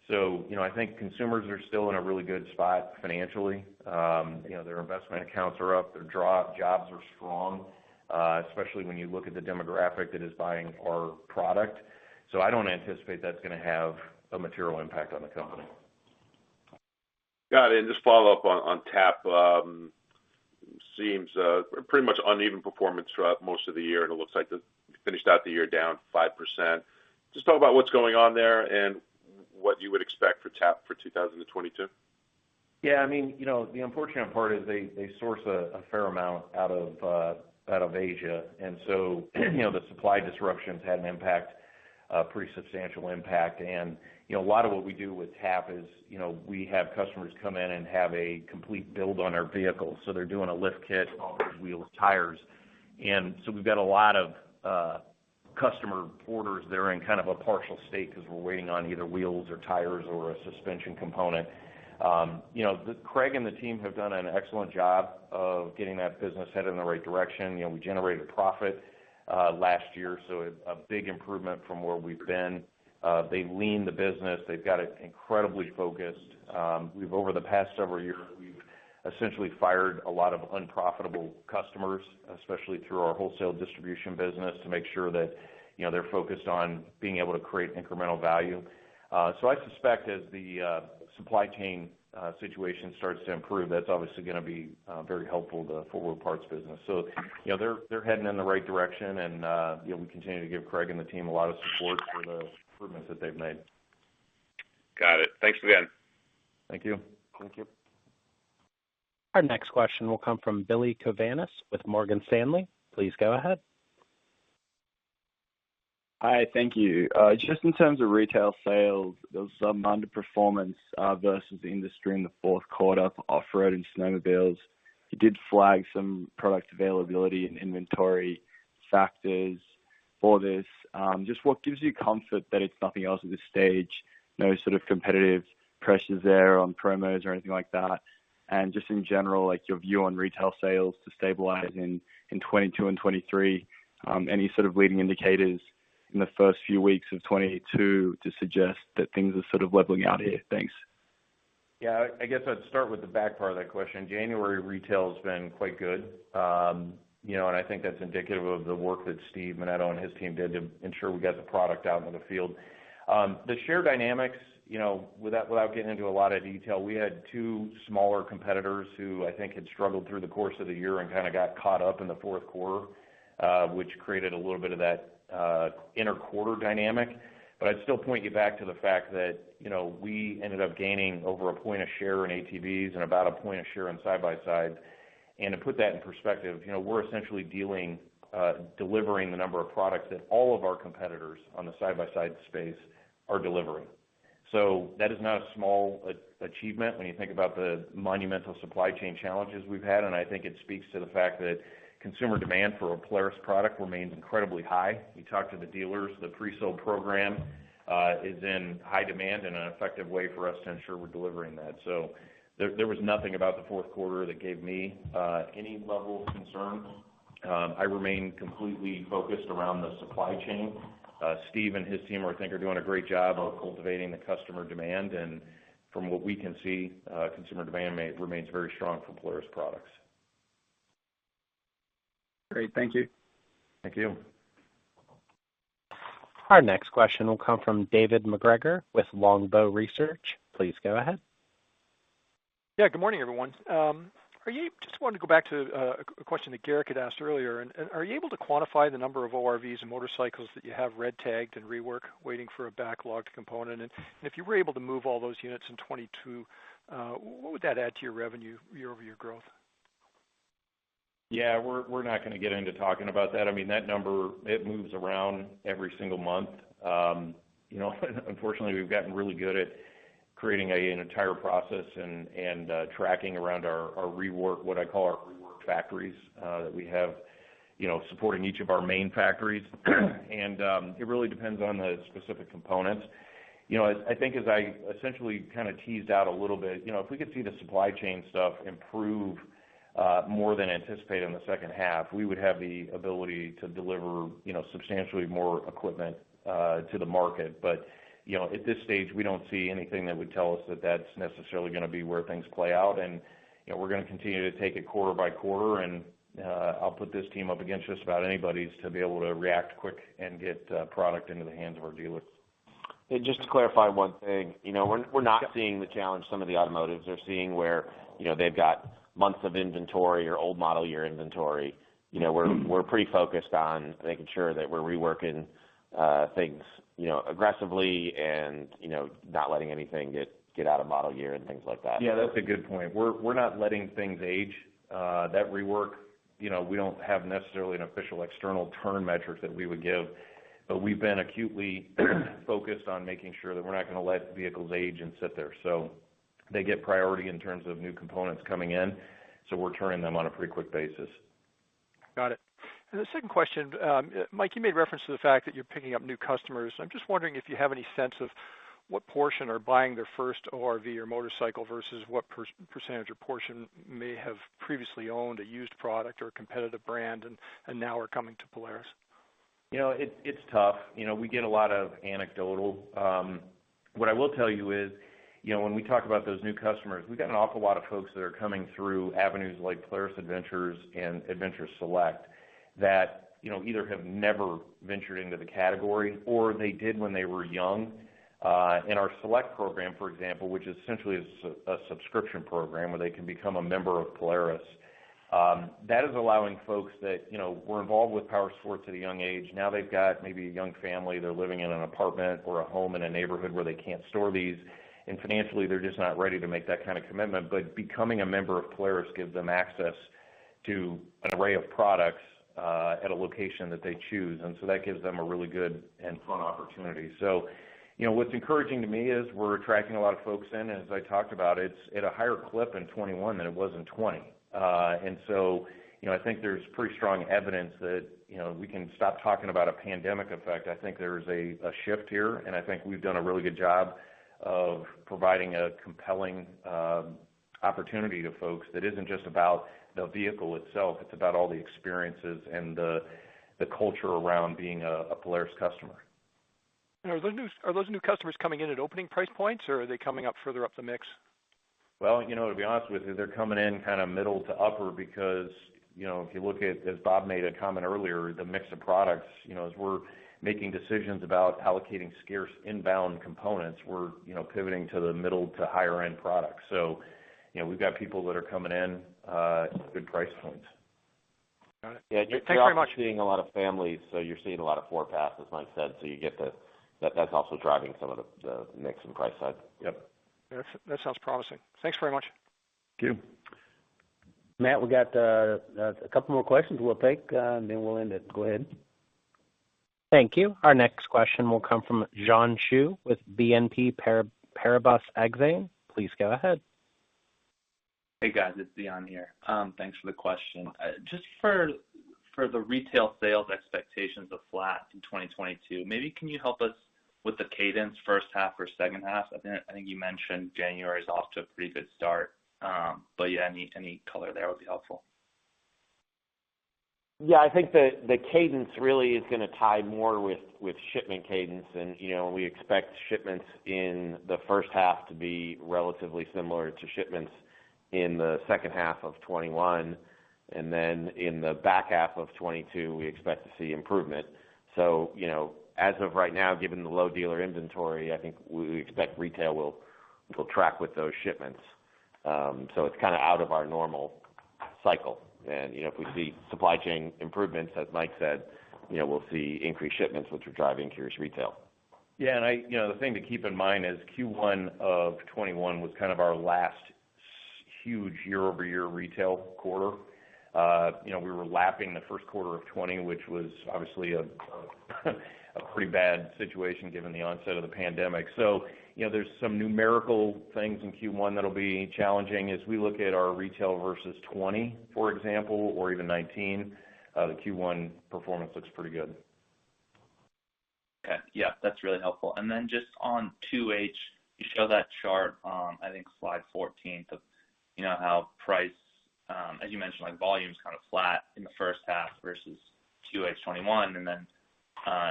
You know, I think consumers are still in a really good spot financially. You know, their investment accounts are up. Their jobs are strong, especially when you look at the demographic that is buying our product. I don't anticipate that's gonna have a material impact on the company. Got it. Just follow up on TAP. It seems pretty much uneven performance throughout most of the year, and it looks like you finished out the year down 5%. Just talk about what's going on there and what you would expect for TAP for 2022. Yeah. I mean, you know, the unfortunate part is they source a fair amount out of Asia. You know, the supply disruptions had an impact, a pretty substantial impact. You know, a lot of what we do with TAP is, you know, we have customers come in and have a complete build on our vehicles. They're doing a lift kit, wheels, tires. We've got a lot of customer orders that are in kind of a partial state because we're waiting on either wheels or tires or a suspension component. Craig and the team have done an excellent job of getting that business headed in the right direction. You know, we generated profit last year, so it's a big improvement from where we've been. They've leaned the business. They've got it incredibly focused. Over the past several years, we've essentially fired a lot of unprofitable customers, especially through our wholesale distribution business, to make sure that, you know, they're focused on being able to create incremental value. I suspect as the supply chain situation starts to improve, that's obviously gonna be very helpful to the aftermarket parts business. You know, they're heading in the right direction and you know, we continue to give Craig and the team a lot of support for the improvements that they've made. Got it. Thanks again. Thank you. Thank you. Our next question will come from Billy Kovanis with Morgan Stanley. Please go ahead. Hi, thank you. Just in terms of retail sales, there was some underperformance versus the industry in the fourth quarter for Off-Road and snowmobiles. You did flag some product availability and inventory factors for this. Just what gives you comfort that it's nothing else at this stage? No sort of competitive pressures there on promos or anything like that. Just in general, like, your view on retail sales to stabilize in 2022 and 2023, any sort of leading indicators in the first few weeks of 2022 to suggest that things are sort of leveling out here? Thanks. Yeah, I guess I'd start with the back part of that question. January retail has been quite good. You know, and I think that's indicative of the work that Steve Menneto and his team did to ensure we got the product out in the field. The share dynamics, you know, without getting into a lot of detail, we had two smaller competitors who I think had struggled through the course of the year and kind of got caught up in the fourth quarter, which created a little bit of that end-of-quarter dynamic. I'd still point you back to the fact that, you know, we ended up gaining over a point of share in ATVs and about a point of share in side-by-sides. To put that in perspective, you know, we're essentially delivering the number of products that all of our competitors on the side-by-side space are delivering. That is not a small achievement when you think about the monumental supply chain challenges we've had, and I think it speaks to the fact that consumer demand for a Polaris product remains incredibly high. We talked to the dealers. The pre-sold program is in high demand and an effective way for us to ensure we're delivering that. There was nothing about the fourth quarter that gave me any level of concern. I remain completely focused around the supply chain. Steve and his team, I think, are doing a great job of cultivating the customer demand. From what we can see, consumer demand remains very strong for Polaris products. Great. Thank you. Thank you. Our next question will come from David MacGregor with Longbow Research. Please go ahead. Yeah, good morning, everyone. Just wanted to go back to a question that Gerrick had asked earlier, and are you able to quantify the number of ORVs and motorcycles that you have red-tagged in rework waiting for a backlogged component? If you were able to move all those units in 2022, what would that add to your revenue year-over-year growth? Yeah, we're not gonna get into talking about that. I mean, that number, it moves around every single month. You know, unfortunately, we've gotten really good at creating an entire process and tracking around our rework, what I call our rework factories, that we have supporting each of our main factories. It really depends on the specific components. You know, I think as I essentially kind of teased out a little bit, you know, if we could see the supply chain stuff improve more than anticipated in the second half, we would have the ability to deliver, you know, substantially more equipment to the market. You know, at this stage, we don't see anything that would tell us that that's necessarily gonna be where things play out. You know, we're gonna continue to take it quarter by quarter, and I'll put this team up against just about anybody's to be able to react quick and get product into the hands of our dealers. Just to clarify one thing, you know, we're not seeing the challenge some of the automotives are seeing where, you know, they've got months of inventory or old model year inventory. You know, we're pretty focused on making sure that we're reworking things, you know, aggressively and, you know, not letting anything get out of model year and things like that. Yeah, that's a good point. We're not letting things age. That rework, you know, we don't have necessarily an official external turn metric that we would give, but we've been acutely focused on making sure that we're not gonna let vehicles age and sit there. So they get priority in terms of new components coming in, so we're turning them on a pretty quick basis. Got it. The second question. Mike, you made reference to the fact that you're picking up new customers. I'm just wondering if you have any sense of what portion are buying their first ORV or motorcycle versus what percentage or portion may have previously owned a used product or a competitive brand and now are coming to Polaris? It's tough. We get a lot of anecdotal. What I will tell you is, you know, when we talk about those new customers, we've got an awful lot of folks that are coming through avenues like Polaris Adventures and Polaris Adventures Select that, you know, either have never ventured into the category, or they did when they were young. In our Select program, for example, which essentially is a subscription program where they can become a member of Polaris, that is allowing folks that, you know, were involved with powersports at a young age. Now they've got maybe a young family. They're living in an apartment or a home in a neighborhood where they can't store these, and financially, they're just not ready to make that kind of commitment. Becoming a member of Polaris gives them access to an array of products at a location that they choose, and that gives them a really good and fun opportunity. You know, what's encouraging to me is we're attracting a lot of folks in, and as I talked about, it's at a higher clip in 2021 than it was in 2020. You know, I think there's pretty strong evidence that, you know, we can stop talking about a pandemic effect. I think there's a shift here, and I think we've done a really good job of providing a compelling opportunity to folks that isn't just about the vehicle itself. It's about all the experiences and the culture around being a Polaris customer. Are those new customers coming in at opening price points, or are they coming up further up the mix? Well, you know, to be honest with you, they're coming in kind of middle to upper because, you know, if you look at, as Bob made a comment earlier, the mix of products. You know, as we're making decisions about allocating scarce inbound components, we're, you know, pivoting to the middle to higher-end products. You know, we've got people that are coming in at good price points. Got it. Thank you very much. Yeah, you're obviously seeing a lot of families, so you're seeing a lot of four-packs, as Mike said. That's also driving some of the mix and price side. Yep. That sounds promising. Thanks very much. Thank you. Matt, we got a couple more questions we'll take, and then we'll end it. Go ahead. Thank you. Our next question will come from Xian Siew with BNP Paribas Exane. Please go ahead. Hey, guys, it's Xian here. Thanks for the question. Just for the retail sales expectations of flat in 2022, maybe can you help us with the cadence first half or second half? I think you mentioned January's off to a pretty good start. Yeah, any color there would be helpful. Yeah, I think the cadence really is gonna tie more with shipment cadence. You know, we expect shipments in the first half to be relatively similar to shipments in the second half of 2021. Then in the back half of 2022, we expect to see improvement. You know, as of right now, given the low dealer inventory, I think we expect retail will track with those shipments. It's kind of out of our normal cycle. You know, if we see supply chain improvements, as Mike said, you know, we'll see increased shipments which are driving consumer retail. You know, the thing to keep in mind is Q1 of 2021 was kind of our last super huge year-over-year retail quarter. You know, we were lapping the first quarter of 2020, which was obviously a pretty bad situation given the onset of the pandemic. You know, there's some numerical things in Q1 that'll be challenging. As we look at our retail versus 2020, for example, or even 2019, the Q1 performance looks pretty good. Okay. Yeah, that's really helpful. Then just on 2H, you show that chart, I think slide 14, of, you know, how price, as you mentioned, like volume's kind of flat in the first half versus 2H 2021, and then,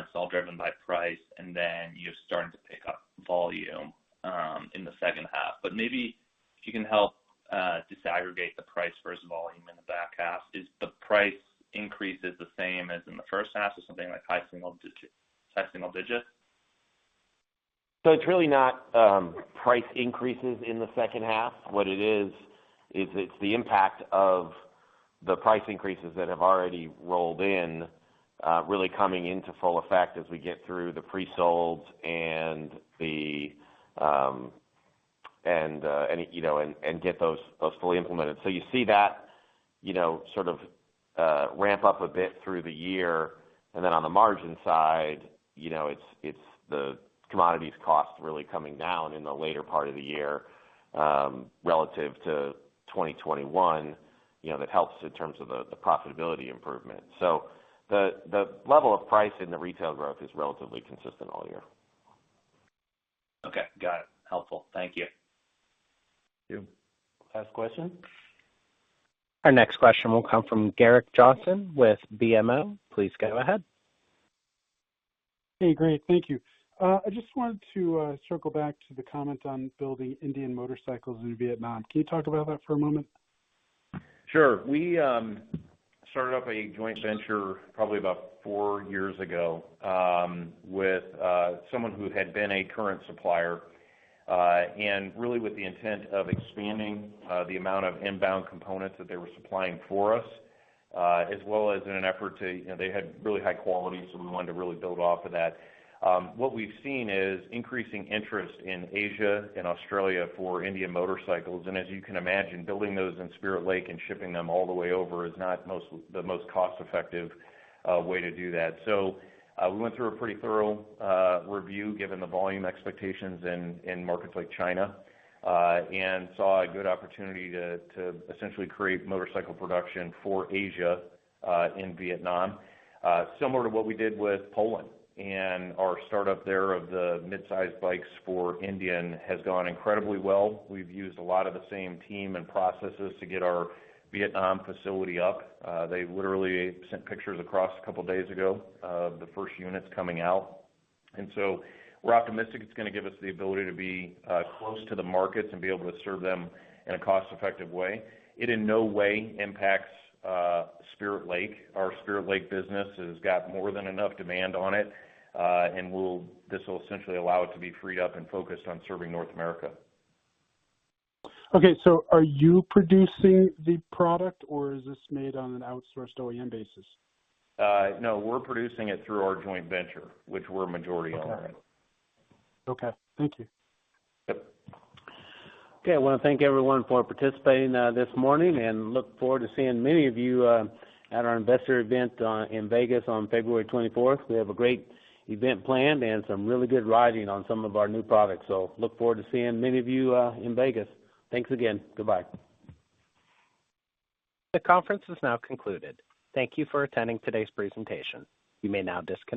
it's all driven by price, and then you're starting to pick up volume in the second half. But maybe if you can help disaggregate the price versus volume in the back half. Is the price increase the same as in the first half or something like high single digits? It's really not price increases in the second half. What it is is the impact of the price increases that have already rolled in really coming into full effect as we get through the pre-solds and get those fully implemented. You see that, you know, sort of ramp up a bit through the year. Then on the margin side, you know, it's the commodities costs really coming down in the later part of the year relative to 2021, you know, that helps in terms of the profitability improvement. The level of price in the retail growth is relatively consistent all year. Okay. Got it. Helpful. Thank you. Thank you. Last question. Our next question will come from Gerrick Johnson with BMO. Please go ahead. Hey, great. Thank you. I just wanted to circle back to the comment on building Indian Motorcycle in Vietnam. Can you talk about that for a moment? Sure. We started up a joint venture probably about four years ago with someone who had been a current supplier. Really with the intent of expanding the amount of inbound components that they were supplying for us as well as in an effort to, you know, they had really high quality, so we wanted to really build off of that. What we've seen is increasing interest in Asia and Australia for Indian motorcycles. As you can imagine, building those in Spirit Lake and shipping them all the way over is not the most cost-effective way to do that. We went through a pretty thorough review given the volume expectations in markets like China and saw a good opportunity to essentially create motorcycle production for Asia in Vietnam similar to what we did with Poland. Our startup there of the mid-sized bikes for Indian has gone incredibly well. We've used a lot of the same team and processes to get our Vietnam facility up. They literally sent pictures across a couple days ago of the first units coming out. We're optimistic it's gonna give us the ability to be close to the markets and be able to serve them in a cost effective way. It in no way impacts Spirit Lake. Our Spirit Lake business has got more than enough demand on it, this will essentially allow it to be freed up and focused on serving North America. Okay. Are you producing the product or is this made on an outsourced OEM basis? No, we're producing it through our joint venture, which we're a majority owner in. Okay. Thank you. Yep. Okay. I wanna thank everyone for participating this morning and look forward to seeing many of you at our investor event in Vegas on February 24th. We have a great event planned and some really good riding on some of our new products. Look forward to seeing many of you in Vegas. Thanks again. Goodbye. The conference is now concluded. Thank you for attending today's presentation. You may now disconnect.